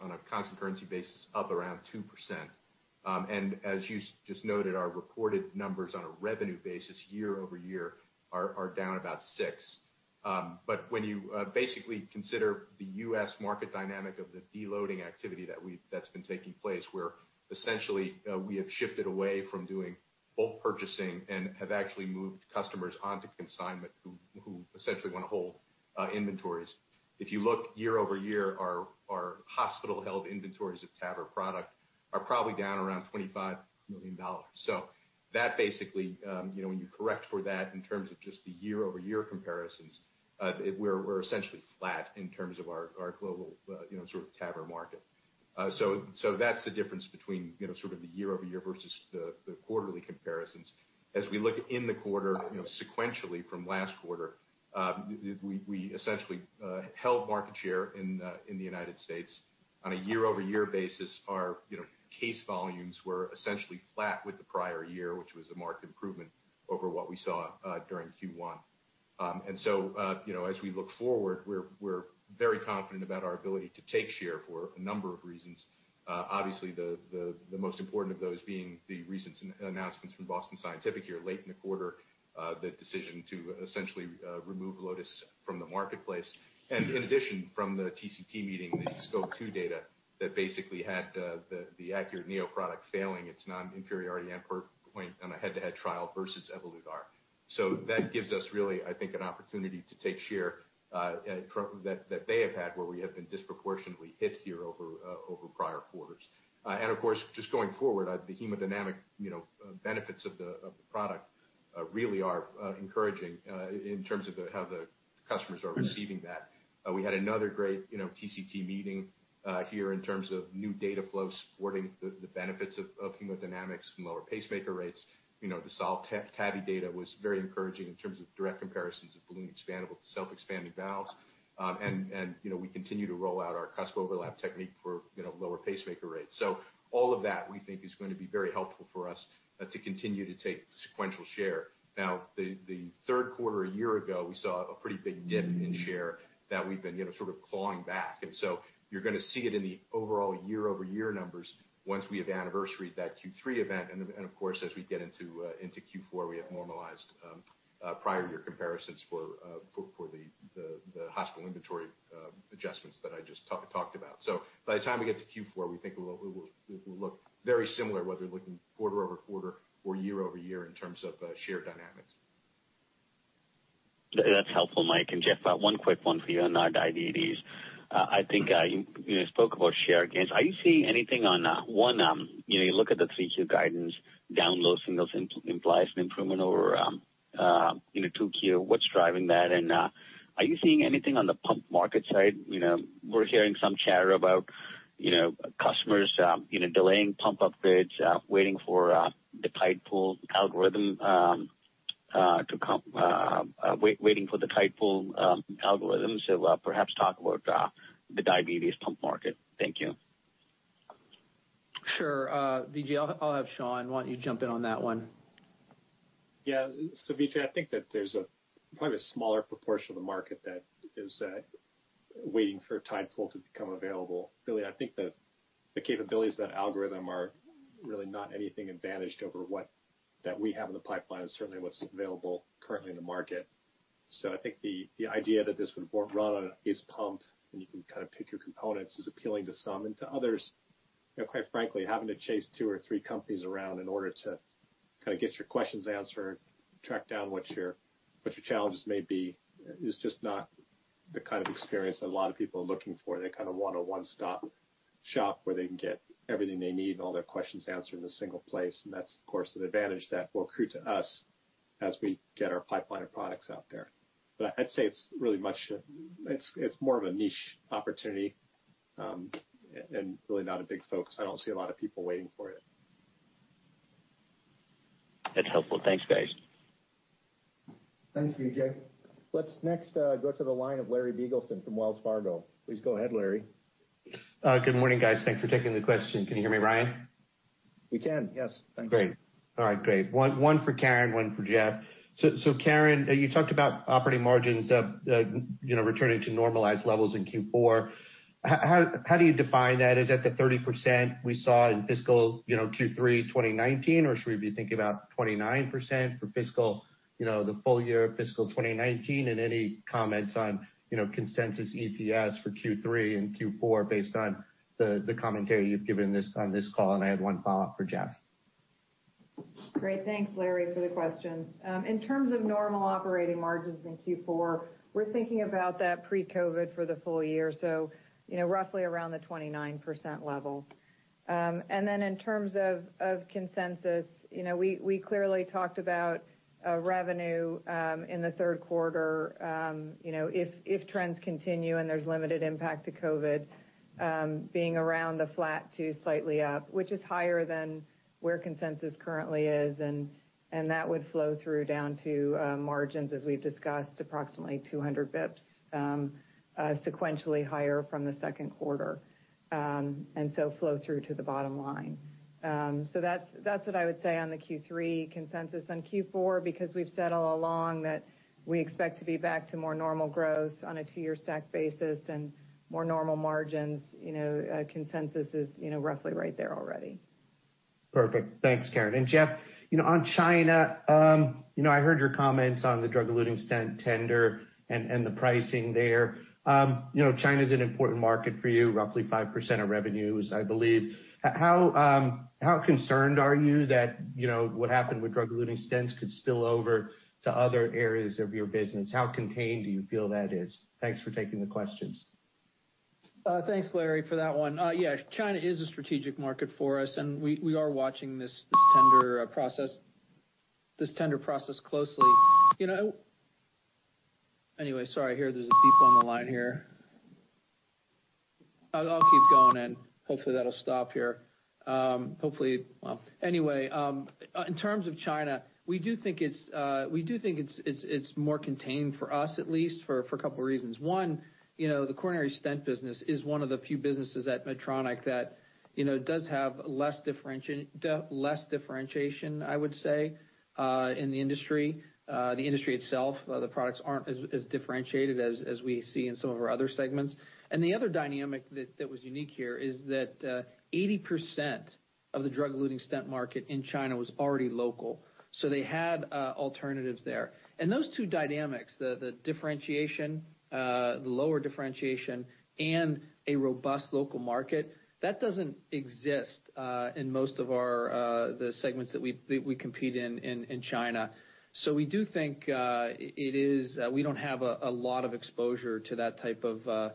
on a constant currency basis up around 2%. As you just noted, our reported numbers on a revenue basis year-over-year are down about 6%. When you basically consider the U.S. market dynamic of the deloading activity that's been taking place where essentially we have shifted away from doing bulk purchasing and have actually moved customers onto consignment who essentially want to hold inventories. If you look year-over-year, our hospital-held inventories of TAVR product are probably down around $25 million. That basically, when you correct for that in terms of just the year-over-year comparisons, we're essentially flat in terms of our global TAVR market. That's the difference between sort of the year-over-year versus the quarterly comparisons. As we look in the quarter sequentially from last quarter, we essentially held market share in the U.S. On a year-over-year basis our case volumes were essentially flat with the prior year, which was a marked improvement over what we saw during Q1. As we look forward, we're very confident about our ability to take share for a number of reasons. Obviously, the most important of those being the recent announcements from Boston Scientific here late in the quarter, the decision to essentially remove Lotus from the marketplace. In addition, from the TCT meeting, the SCOPE II data that basically had the ACURATE neo product failing its non-inferiority endpoint on a head-to-head trial versus Evolut R. That gives us really, I think, an opportunity to take share that they have had where we have been disproportionately hit here over prior quarters. Of course, just going forward, the hemodynamic benefits of the product really are encouraging in terms of how the customers are receiving that. We had another great TCT meeting here in terms of new data flow supporting the benefits of hemodynamics and lower pacemaker rates. The SOLVE-TAVI data was very encouraging in terms of direct comparisons of balloon-expandable to self-expanding valves. We continue to roll out our cusp overlap technique for lower pacemaker rates. All of that we think is going to be very helpful for us to continue to take sequential share. Now, the third quarter a year ago, we saw a pretty big dip in share that we've been sort of clawing back. You're going to see it in the overall year-over-year numbers once we have anniversaried that Q3 event. Of course, as we get into Q4, we have normalized prior year comparisons for the hospital inventory adjustments that I just talked about. By the time we get to Q4, we think it will look very similar, whether looking quarter-over-quarter or year-over-year in terms of share dynamics. That's helpful, Mike. Geoff, one quick one for you on diabetes. I think you spoke about share gains. Are you seeing anything on one, you look at the 3Q guidance down low singles implies an improvement over 2Q. What's driving that? Are you seeing anything on the pump market side? We're hearing some chatter about customers delaying pump upgrades waiting for the Tidepool algorithm. Perhaps talk about the diabetes pump market. Thank you. Sure. Vijay, I'll have Sean. Why don't you jump in on that one? Yeah. Vijay, I think that there's a probably a smaller proportion of the market that is waiting for Tidepool to become available. I think the capabilities of that algorithm are really not anything advantaged over what we have in the pipeline and certainly what's available currently in the market. I think the idea that this would run on ACE pump and you can kind of pick your components is appealing to some, and to others, quite frankly, having to chase two or three companies around in order to kind of get your questions answered, track down what your challenges may be is just not the kind of experience that a lot of people are looking for. They kind of want a one-stop shop where they can get everything they need and all their questions answered in a single place. That's, of course, an advantage that will accrue to us as we get our pipeline of products out there. I'd say it's more of a niche opportunity, and really not a big focus. I don't see a lot of people waiting for it. That's helpful. Thanks, guys. Thanks, Vijay. Let's next go to the line of Larry Biegelsen from Wells Fargo. Please go ahead, Larry. Good morning, guys. Thanks for taking the question. Can you hear me, Ryan? We can, yes. Thanks. Great. All right, great. One for Karen, one for Geoff. Karen, you talked about operating margins returning to normalized levels in Q4. How do you define that? Is that the 30% we saw in fiscal Q3 2019, or should we be thinking about 29% for the full year fiscal 2019? Any comments on consensus EPS for Q3 and Q4 based on the commentary you've given on this call? I have one follow-up for Geoff. Great. Thanks, Larry, for the questions. In terms of normal operating margins in Q4, we're thinking about that pre-COVID for the full year, so roughly around the 29% level. In terms of consensus, we clearly talked about revenue in the third quarter. If trends continue and there's limited impact to COVID, being around a flat to slightly up, which is higher than where consensus currently is, and that would flow through down to margins as we've discussed, approximately 200 basis points sequentially higher from the second quarter. Flow through to the bottom line. That's what I would say on the Q3 consensus. On Q4, because we've said all along that we expect to be back to more normal growth on a two-year stack basis and more normal margins, consensus is roughly right there already. Perfect. Thanks, Karen. Geoff, on China, I heard your comments on the drug-eluting stent tender and the pricing there. China's an important market for you, roughly 5% of revenues, I believe. How concerned are you that what happened with drug-eluting stents could spill over to other areas of your business? How contained do you feel that is? Thanks for taking the questions. Thanks, Larry, for that one. Yeah, China is a strategic market for us. We are watching this tender process closely. Anyway, sorry, there's a beep on the line here. I'll keep going. Hopefully, that'll stop here. Anyway, in terms of China, we do think it's more contained for us at least for a couple of reasons. One, the coronary stent business is one of the few businesses at Medtronic that does have less differentiation, I would say, in the industry. The industry itself, the products aren't as differentiated as we see in some of our other segments. The other dynamic that was unique here is that 80% of the drug-eluting stent market in China was already local, so they had alternatives there. Those two dynamics, the lower differentiation and a robust local market, that doesn't exist in most of the segments that we compete in China. We do think we don't have a lot of exposure to that type of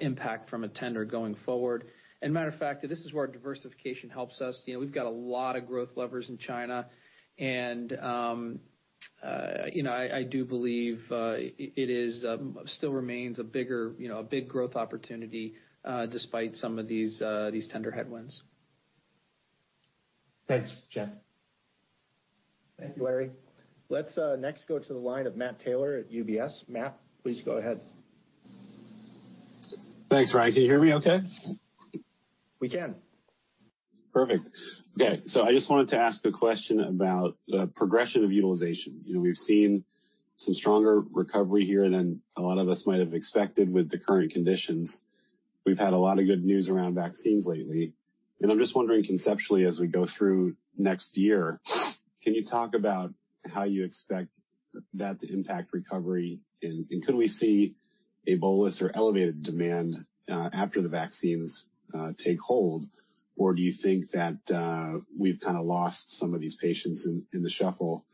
impact from a tender going forward. Matter of fact, this is where diversification helps us. We've got a lot of growth levers in China, and I do believe it still remains a big growth opportunity despite some of these tender headwinds. Thanks, Geoff. Thank you, Larry. Let's next go to the line of Matt Taylor at UBS. Matt, please go ahead. Thanks. Ryan, can you hear me okay? We can. Perfect. Okay. I just wanted to ask a question about the progression of utilization. We've seen some stronger recovery here than a lot of us might have expected with the current conditions. We've had a lot of good news around vaccines lately. I'm just wondering conceptually as we go through next year, can you talk about how you expect that to impact recovery, and could we see a bolus or elevated demand after the vaccines take hold? Do you think that we've kind of lost some of these patients in the shuffle,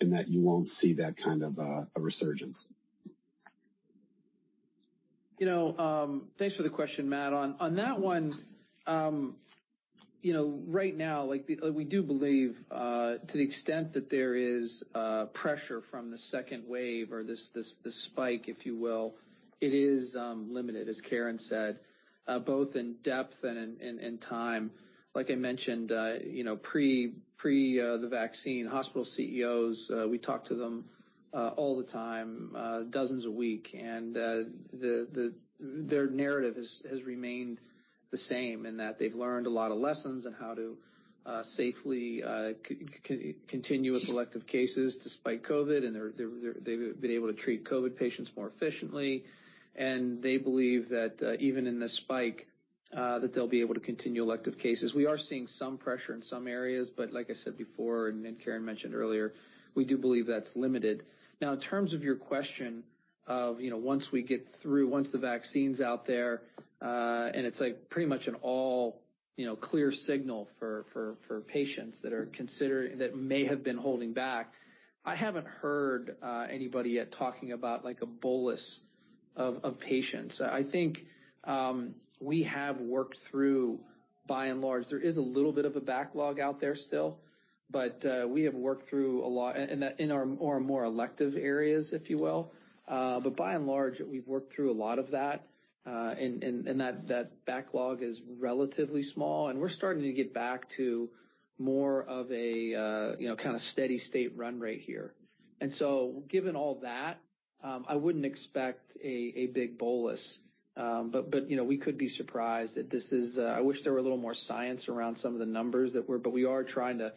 and that you won't see that kind of a resurgence? Thanks for the question, Matt. On that one, right now, we do believe to the extent that there is pressure from the second wave or this spike, if you will, it is limited, as Karen said, both in depth and in time. Like I mentioned, pre the vaccine, hospital CEOs, we talked to them all the time, dozens a week, and their narrative has remained the same in that they've learned a lot of lessons on how to safely continue selective cases despite COVID, and they've been able to treat COVID patients more efficiently. They believe that even in this spike, that they'll be able to continue elective cases. We are seeing some pressure in some areas, but like I said before, and Karen mentioned earlier, we do believe that's limited. In terms of your question of once the vaccine's out there, and it's pretty much an all clear signal for patients that may have been holding back, I haven't heard anybody yet talking about a bolus of patients. I think we have worked through, by and large, there is a little bit of a backlog out there still. We have worked through a lot in our more elective areas, if you will. By and large, we've worked through a lot of that, and that backlog is relatively small, and we're starting to get back to more of a steady state run rate here. Given all that, I wouldn't expect a big bolus. We could be surprised. I wish there were a little more science around some of the numbers, but we are trying to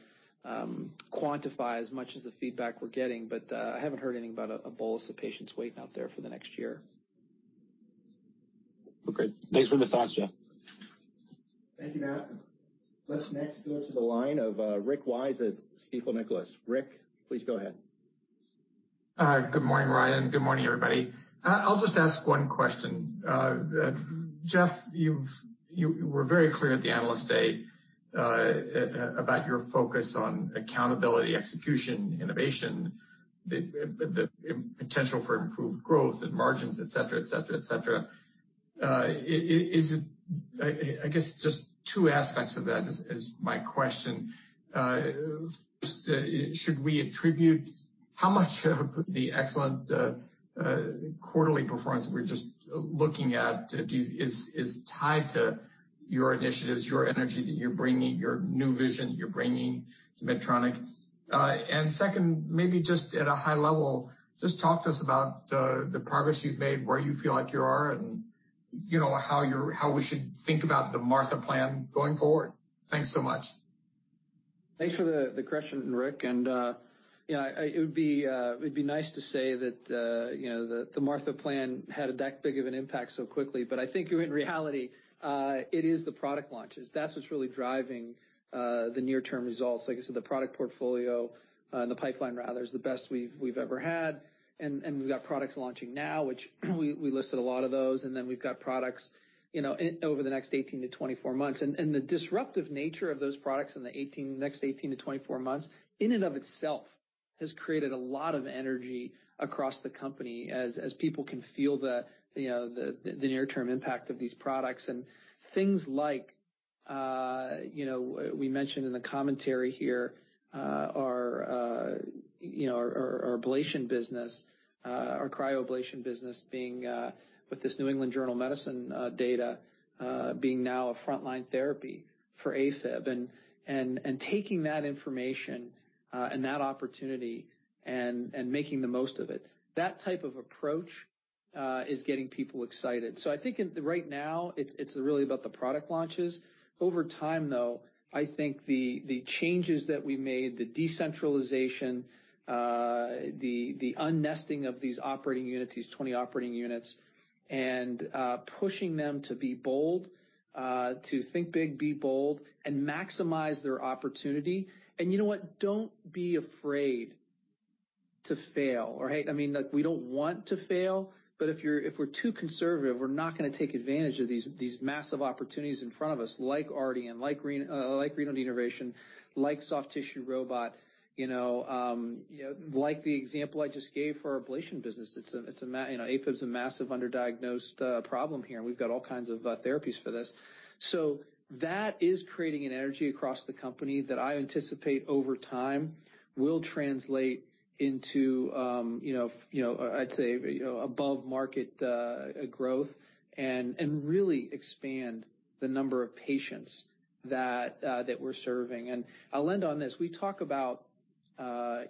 quantify as much as the feedback we're getting. I haven't heard anything about a bolus of patients waiting out there for the next year. Okay. Thanks for the thoughts, Geoff. Thank you, Matt. Let's next go to the line of Rick Wise at Stifel Nicolaus. Rick, please go ahead. Good morning, Ryan. Good morning, everybody. I'll just ask one question. Geoff, you were very clear at the Analyst Day about your focus on accountability, execution, innovation, the potential for improved growth and margins, et cetera. I guess just two aspects of that is my question. Should we attribute how much of the excellent quarterly performance we're just looking at is tied to your initiatives, your energy that you're bringing, your new vision you're bringing to Medtronic? Second, maybe just at a high level, just talk to us about the progress you've made, where you feel like you are and how we should think about the Martha plan going forward. Thanks so much. Thanks for the question, Rick. It would be nice to say that the Martha plan had that big of an impact so quickly. I think in reality, it is the product launches. That's what's really driving the near-term results. Like I said, the product portfolio, the pipeline rather, is the best we've ever had. We've got products launching now, which we listed a lot of those, and then we've got products over the next 18-24 months. The disruptive nature of those products in the next 18-24 months, in and of itself, has created a lot of energy across the company as people can feel the near-term impact of these products. Things like we mentioned in the commentary here are our ablation business, our cryoablation business with this The New England Journal of Medicine data, being now a frontline therapy for AFib. Taking that information and that opportunity and making the most of it. That type of approach is getting people excited. I think right now, it's really about the product launches. Over time, though, I think the changes that we made, the decentralization, the unnesting of these operating units, these 20 operating units, and pushing them to be bold, to think big, be bold, and maximize their opportunity. You know what? Don't be afraid to fail. We don't want to fail, but if we're too conservative, we're not going to take advantage of these massive opportunities in front of us, like Ardian, like renal denervation, like soft tissue robot, like the example I just gave for our ablation business. AFib's a massive underdiagnosed problem here, and we've got all kinds of therapies for this. That is creating an energy across the company that I anticipate over time will translate into I'd say above-market growth and really expand the number of patients that we're serving. I'll end on this. We talk about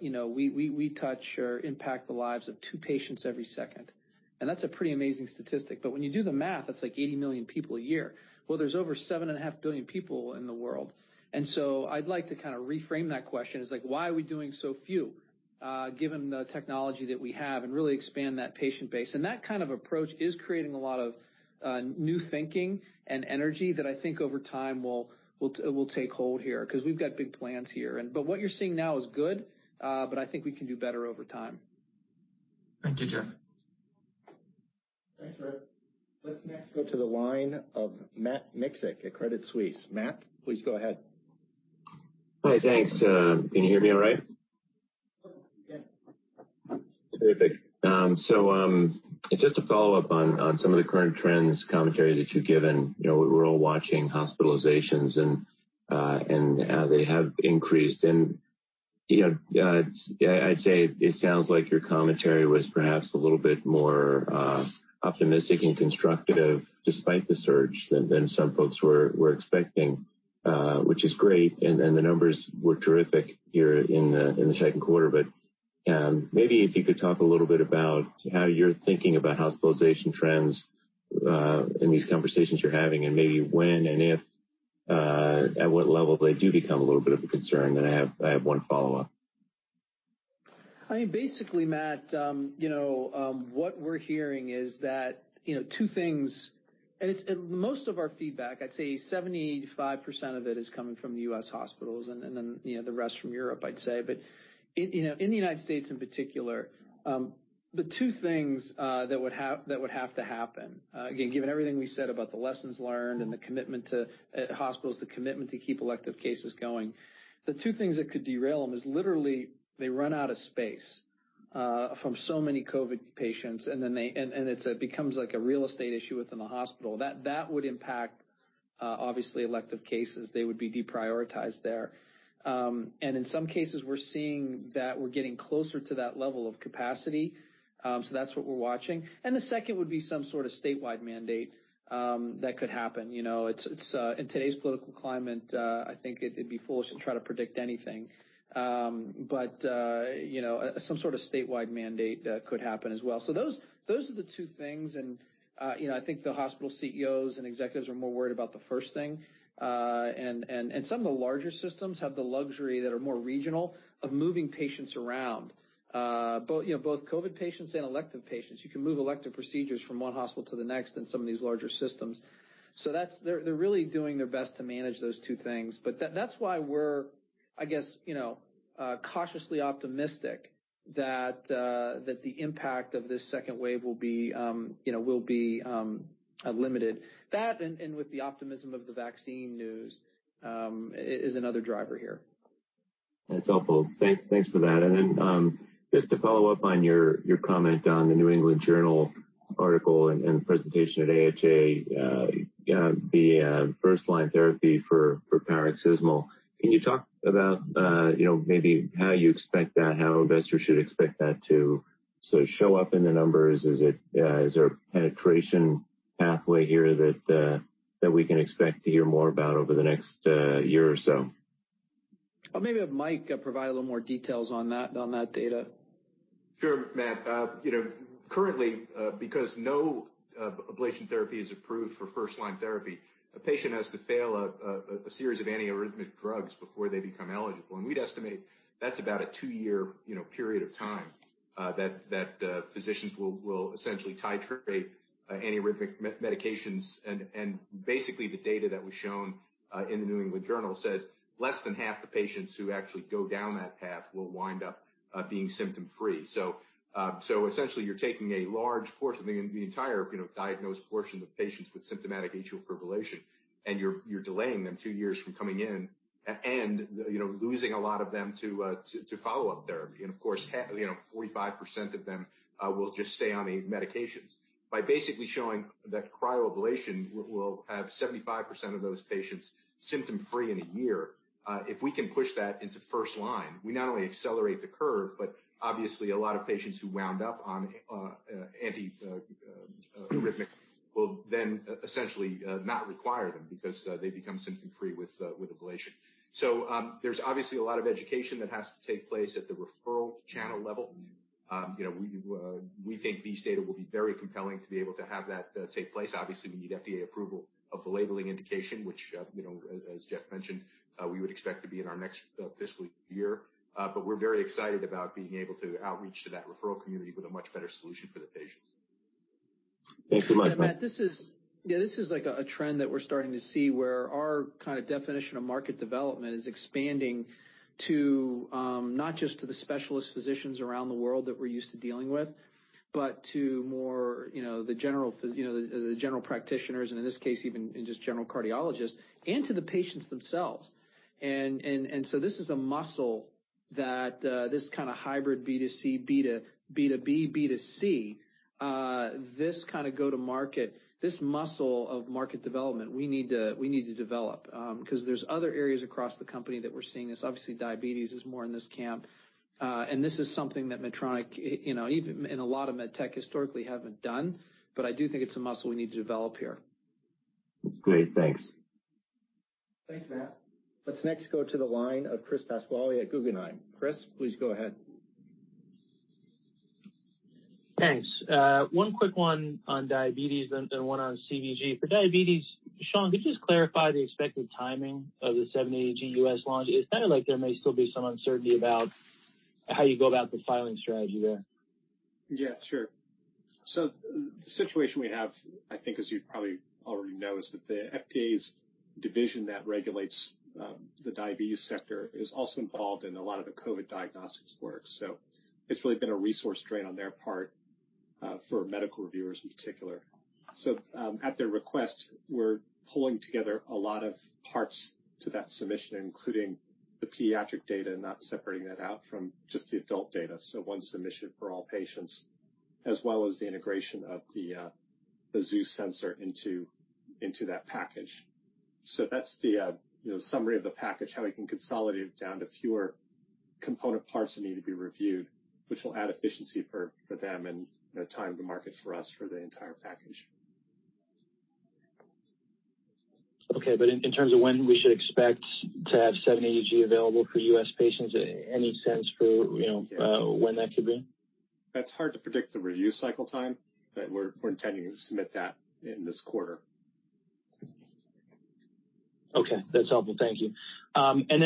we touch or impact the lives of two patients every second, and that's a pretty amazing statistic. When you do the math, it's like 80 million people a year. Well, there's over 7.5 billion people in the world. I'd like to kind of reframe that question as like, why are we doing so few, given the technology that we have, and really expand that patient base. That kind of approach is creating a lot of new thinking and energy that I think over time will take hold here because we've got big plans here. What you're seeing now is good, but I think we can do better over time. Thank you, Geoff. Thanks, Rick. Let's next go to the line of Matt Miksic at Credit Suisse. Matt, please go ahead. Hi, thanks. Can you hear me all right? Yes. Terrific. Just a follow-up on some of the current trends commentary that you've given. We're all watching hospitalizations, and they have increased. I'd say it sounds like your commentary was perhaps a little bit more optimistic and constructive despite the surge than some folks were expecting, which is great, and the numbers were terrific here in the second quarter. Maybe if you could talk a little bit about how you're thinking about hospitalization trends in these conversations you're having, and maybe when and if, at what level they do become a little bit of a concern. I have one follow-up. Basically, Matt, what we're hearing is that two things, and most of our feedback, I'd say 70%-85% of it is coming from the U.S. hospitals and then the rest from Europe, I'd say. In the United States in particular, the two things that would have to happen, again, given everything we said about the lessons learned and the commitment to hospitals, the commitment to keep elective cases going. The two things that could derail them is literally they run out of space from so many COVID patients, and it becomes like a real estate issue within the hospital. That would impact, obviously, elective cases. They would be deprioritized there. In some cases, we're seeing that we're getting closer to that level of capacity, so that's what we're watching. The second would be some sort of statewide mandate that could happen. In today's political climate, I think it'd be foolish to try to predict anything. Some sort of statewide mandate could happen as well. Those are the two things, and I think the hospital CEOs and executives are more worried about the first thing. Some of the larger systems have the luxury that are more regional of moving patients around. Both COVID patients and elective patients. You can move elective procedures from one hospital to the next in some of these larger systems. They're really doing their best to manage those two things. That's why we're, I guess, cautiously optimistic that the impact of this second wave will be limited. That, and with the optimism of the vaccine news, is another driver here. That's helpful. Thanks for that. Then just to follow up on your comment on the New England Journal article and presentation at AHA, the first-line therapy for paroxysmal. Can you talk about maybe how you expect that, how investors should expect that to show up in the numbers? Is there a penetration pathway here that we can expect to hear more about over the next year or so? I'll maybe have Mike provide a little more details on that data. Sure, Matt. Currently, because no ablation therapy is approved for first-line therapy, a patient has to fail a series of antiarrhythmic drugs before they become eligible. We'd estimate that's about a two-year period of time that physicians will essentially titrate antiarrhythmic medications. Basically, the data that was shown in the New England Journal said less than half the patients who actually go down that path will wind up being symptom-free. Essentially, you're taking a large portion of the entire diagnosed portion of patients with symptomatic atrial fibrillation, and you're delaying them two years from coming in and losing a lot of them to follow-up therapy. Of course, 45% of them will just stay on the medications. By basically showing that cryoablation will have 75% of those patients symptom-free in a year. If we can push that into first line, we not only accelerate the curve, but obviously a lot of patients who wound up on antiarrhythmic will then essentially not require them because they become symptom-free with ablation. There's obviously a lot of education that has to take place at the referral channel level. We think these data will be very compelling to be able to have that take place. Obviously, we need FDA approval of the labeling indication, which as Geoff mentioned, we would expect to be in our next fiscal year. We're very excited about being able to outreach to that referral community with a much better solution for the patients. Thanks so much, Mike. Matt, this is a trend that we're starting to see where our kind of definition of market development is expanding to not just to the specialist physicians around the world that we're used to dealing with, but to more the general practitioners, and in this case, even just general cardiologists, and to the patients themselves. This is a muscle that this kind of hybrid B2C, B2B, B2C, this kind of go-to-market, this muscle of market development, we need to develop. There's other areas across the company that we're seeing this. Obviously, diabetes is more in this camp. This is something that Medtronic, and a lot of MedTech historically haven't done, but I do think it's a muscle we need to develop here. That's great. Thanks. Thanks, Matt. Let's next go to the line of Chris Pasquale at Guggenheim. Chris, please go ahead. Thanks. One quick one on diabetes and then one on CVG. For diabetes, Sean, could you just clarify the expected timing of the 780G U.S. launch? It sounded like there may still be some uncertainty about how you go about the filing strategy there. Yeah, sure. The situation we have, I think as you probably already know, is that the FDA's division that regulates the diabetes sector is also involved in a lot of the COVID diagnostics work. It's really been a resource drain on their part for medical reviewers in particular. At their request, we're pulling together a lot of parts to that submission, including the pediatric data, and not separating that out from just the adult data. One submission for all patients, as well as the integration of the Zeus sensor into that package. That's the summary of the package, how we can consolidate it down to fewer component parts that need to be reviewed, which will add efficiency for them and time to market for us for the entire package. Okay. In terms of when we should expect to have 780G available for U.S. patients, any sense for when that could be? That's hard to predict the review cycle time, but we're intending to submit that in this quarter. Okay. That's helpful. Thank you.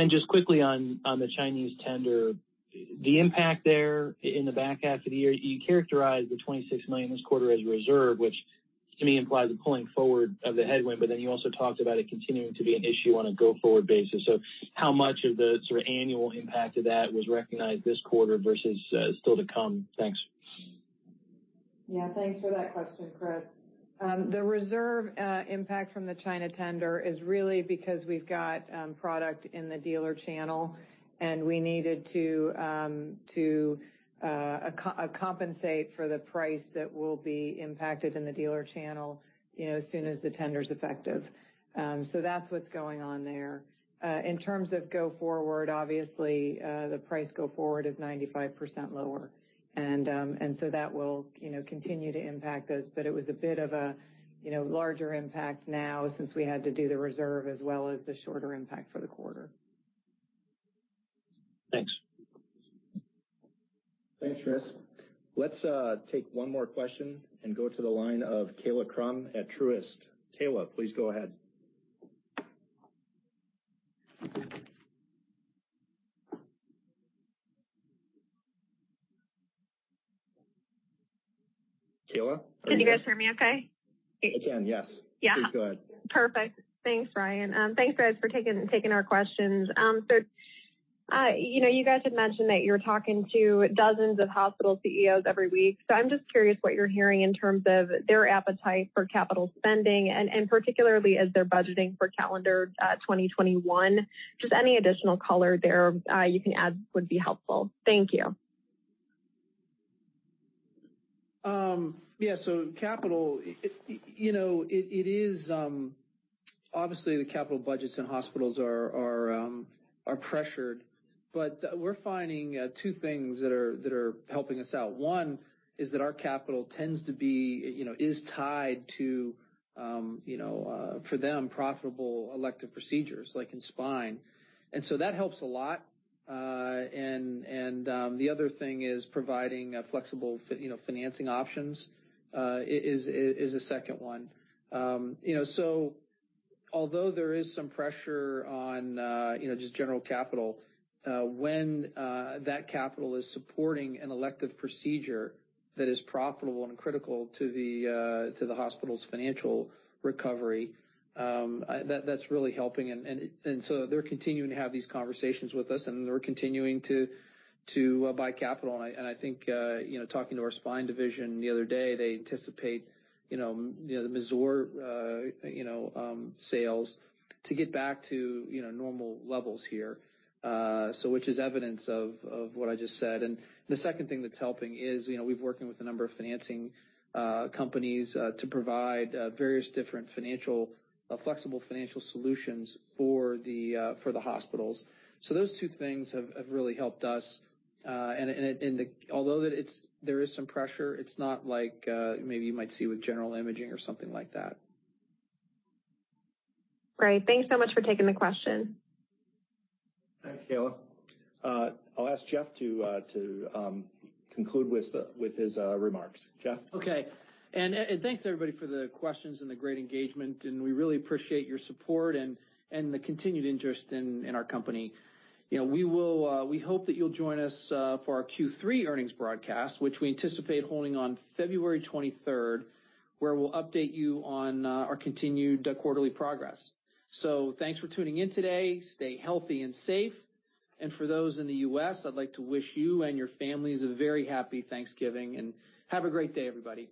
Just quickly on the Chinese tender, the impact there in the back half of the year, you characterized the $26 million this quarter as a reserve, which to me implies a pulling forward of the headwind, but then you also talked about it continuing to be an issue on a go-forward basis. How much of the sort of annual impact of that was recognized this quarter versus still to come? Thanks. Yeah. Thanks for that question, Chris. The reserve impact from the China tender is really because we've got product in the dealer channel, and we needed to compensate for the price that will be impacted in the dealer channel as soon as the tender's effective. That's what's going on there. In terms of go forward, obviously, the price go forward is 95% lower. That will continue to impact us. It was a bit of a larger impact now since we had to do the reserve as well as the shorter impact for the quarter. Thanks. Thanks, Chris. Let's take one more question and go to the line of Kaila Krum at Truist. Kaila, please go ahead. Kaila? Can you guys hear me okay? I can, yes. Yeah. Please go ahead. Perfect. Thanks, Ryan. Thanks, guys, for taking our questions. You guys had mentioned that you're talking to dozens of hospital CEOs every week. I'm just curious what you're hearing in terms of their appetite for capital spending, and particularly as they're budgeting for calendar 2021. Just any additional color there you can add would be helpful. Thank you. Capital, obviously, the capital budgets in hospitals are pressured, but we're finding two things that are helping us out. One is that our capital tends to be, is tied to for them profitable elective procedures like in spine. That helps a lot. The other thing is providing flexible financing options is a second one. Although there is some pressure on just general capital, when that capital is supporting an elective procedure that is profitable and critical to the hospital's financial recovery, that's really helping. They're continuing to have these conversations with us, and they're continuing to buy capital. I think, talking to our spine division the other day, they anticipate the Mazor sales to get back to normal levels here, so which is evidence of what I just said. The second thing that's helping is we've working with a number of financing companies to provide various different flexible financial solutions for the hospitals. Those two things have really helped us. Although there is some pressure, it's not like maybe you might see with general imaging or something like that. Great. Thanks so much for taking the question. Thanks, Kaila. I'll ask Geoff to conclude with his remarks. Geoff? Okay. Thanks everybody for the questions and the great engagement, and we really appreciate your support and the continued interest in our company. We hope that you'll join us for our Q3 earnings broadcast, which we anticipate holding on February 23rd, where we'll update you on our continued quarterly progress. Thanks for tuning in today, stay healthy and safe, and for those in the U.S., I'd like to wish you and your families a very happy Thanksgiving, and have a great day, everybody.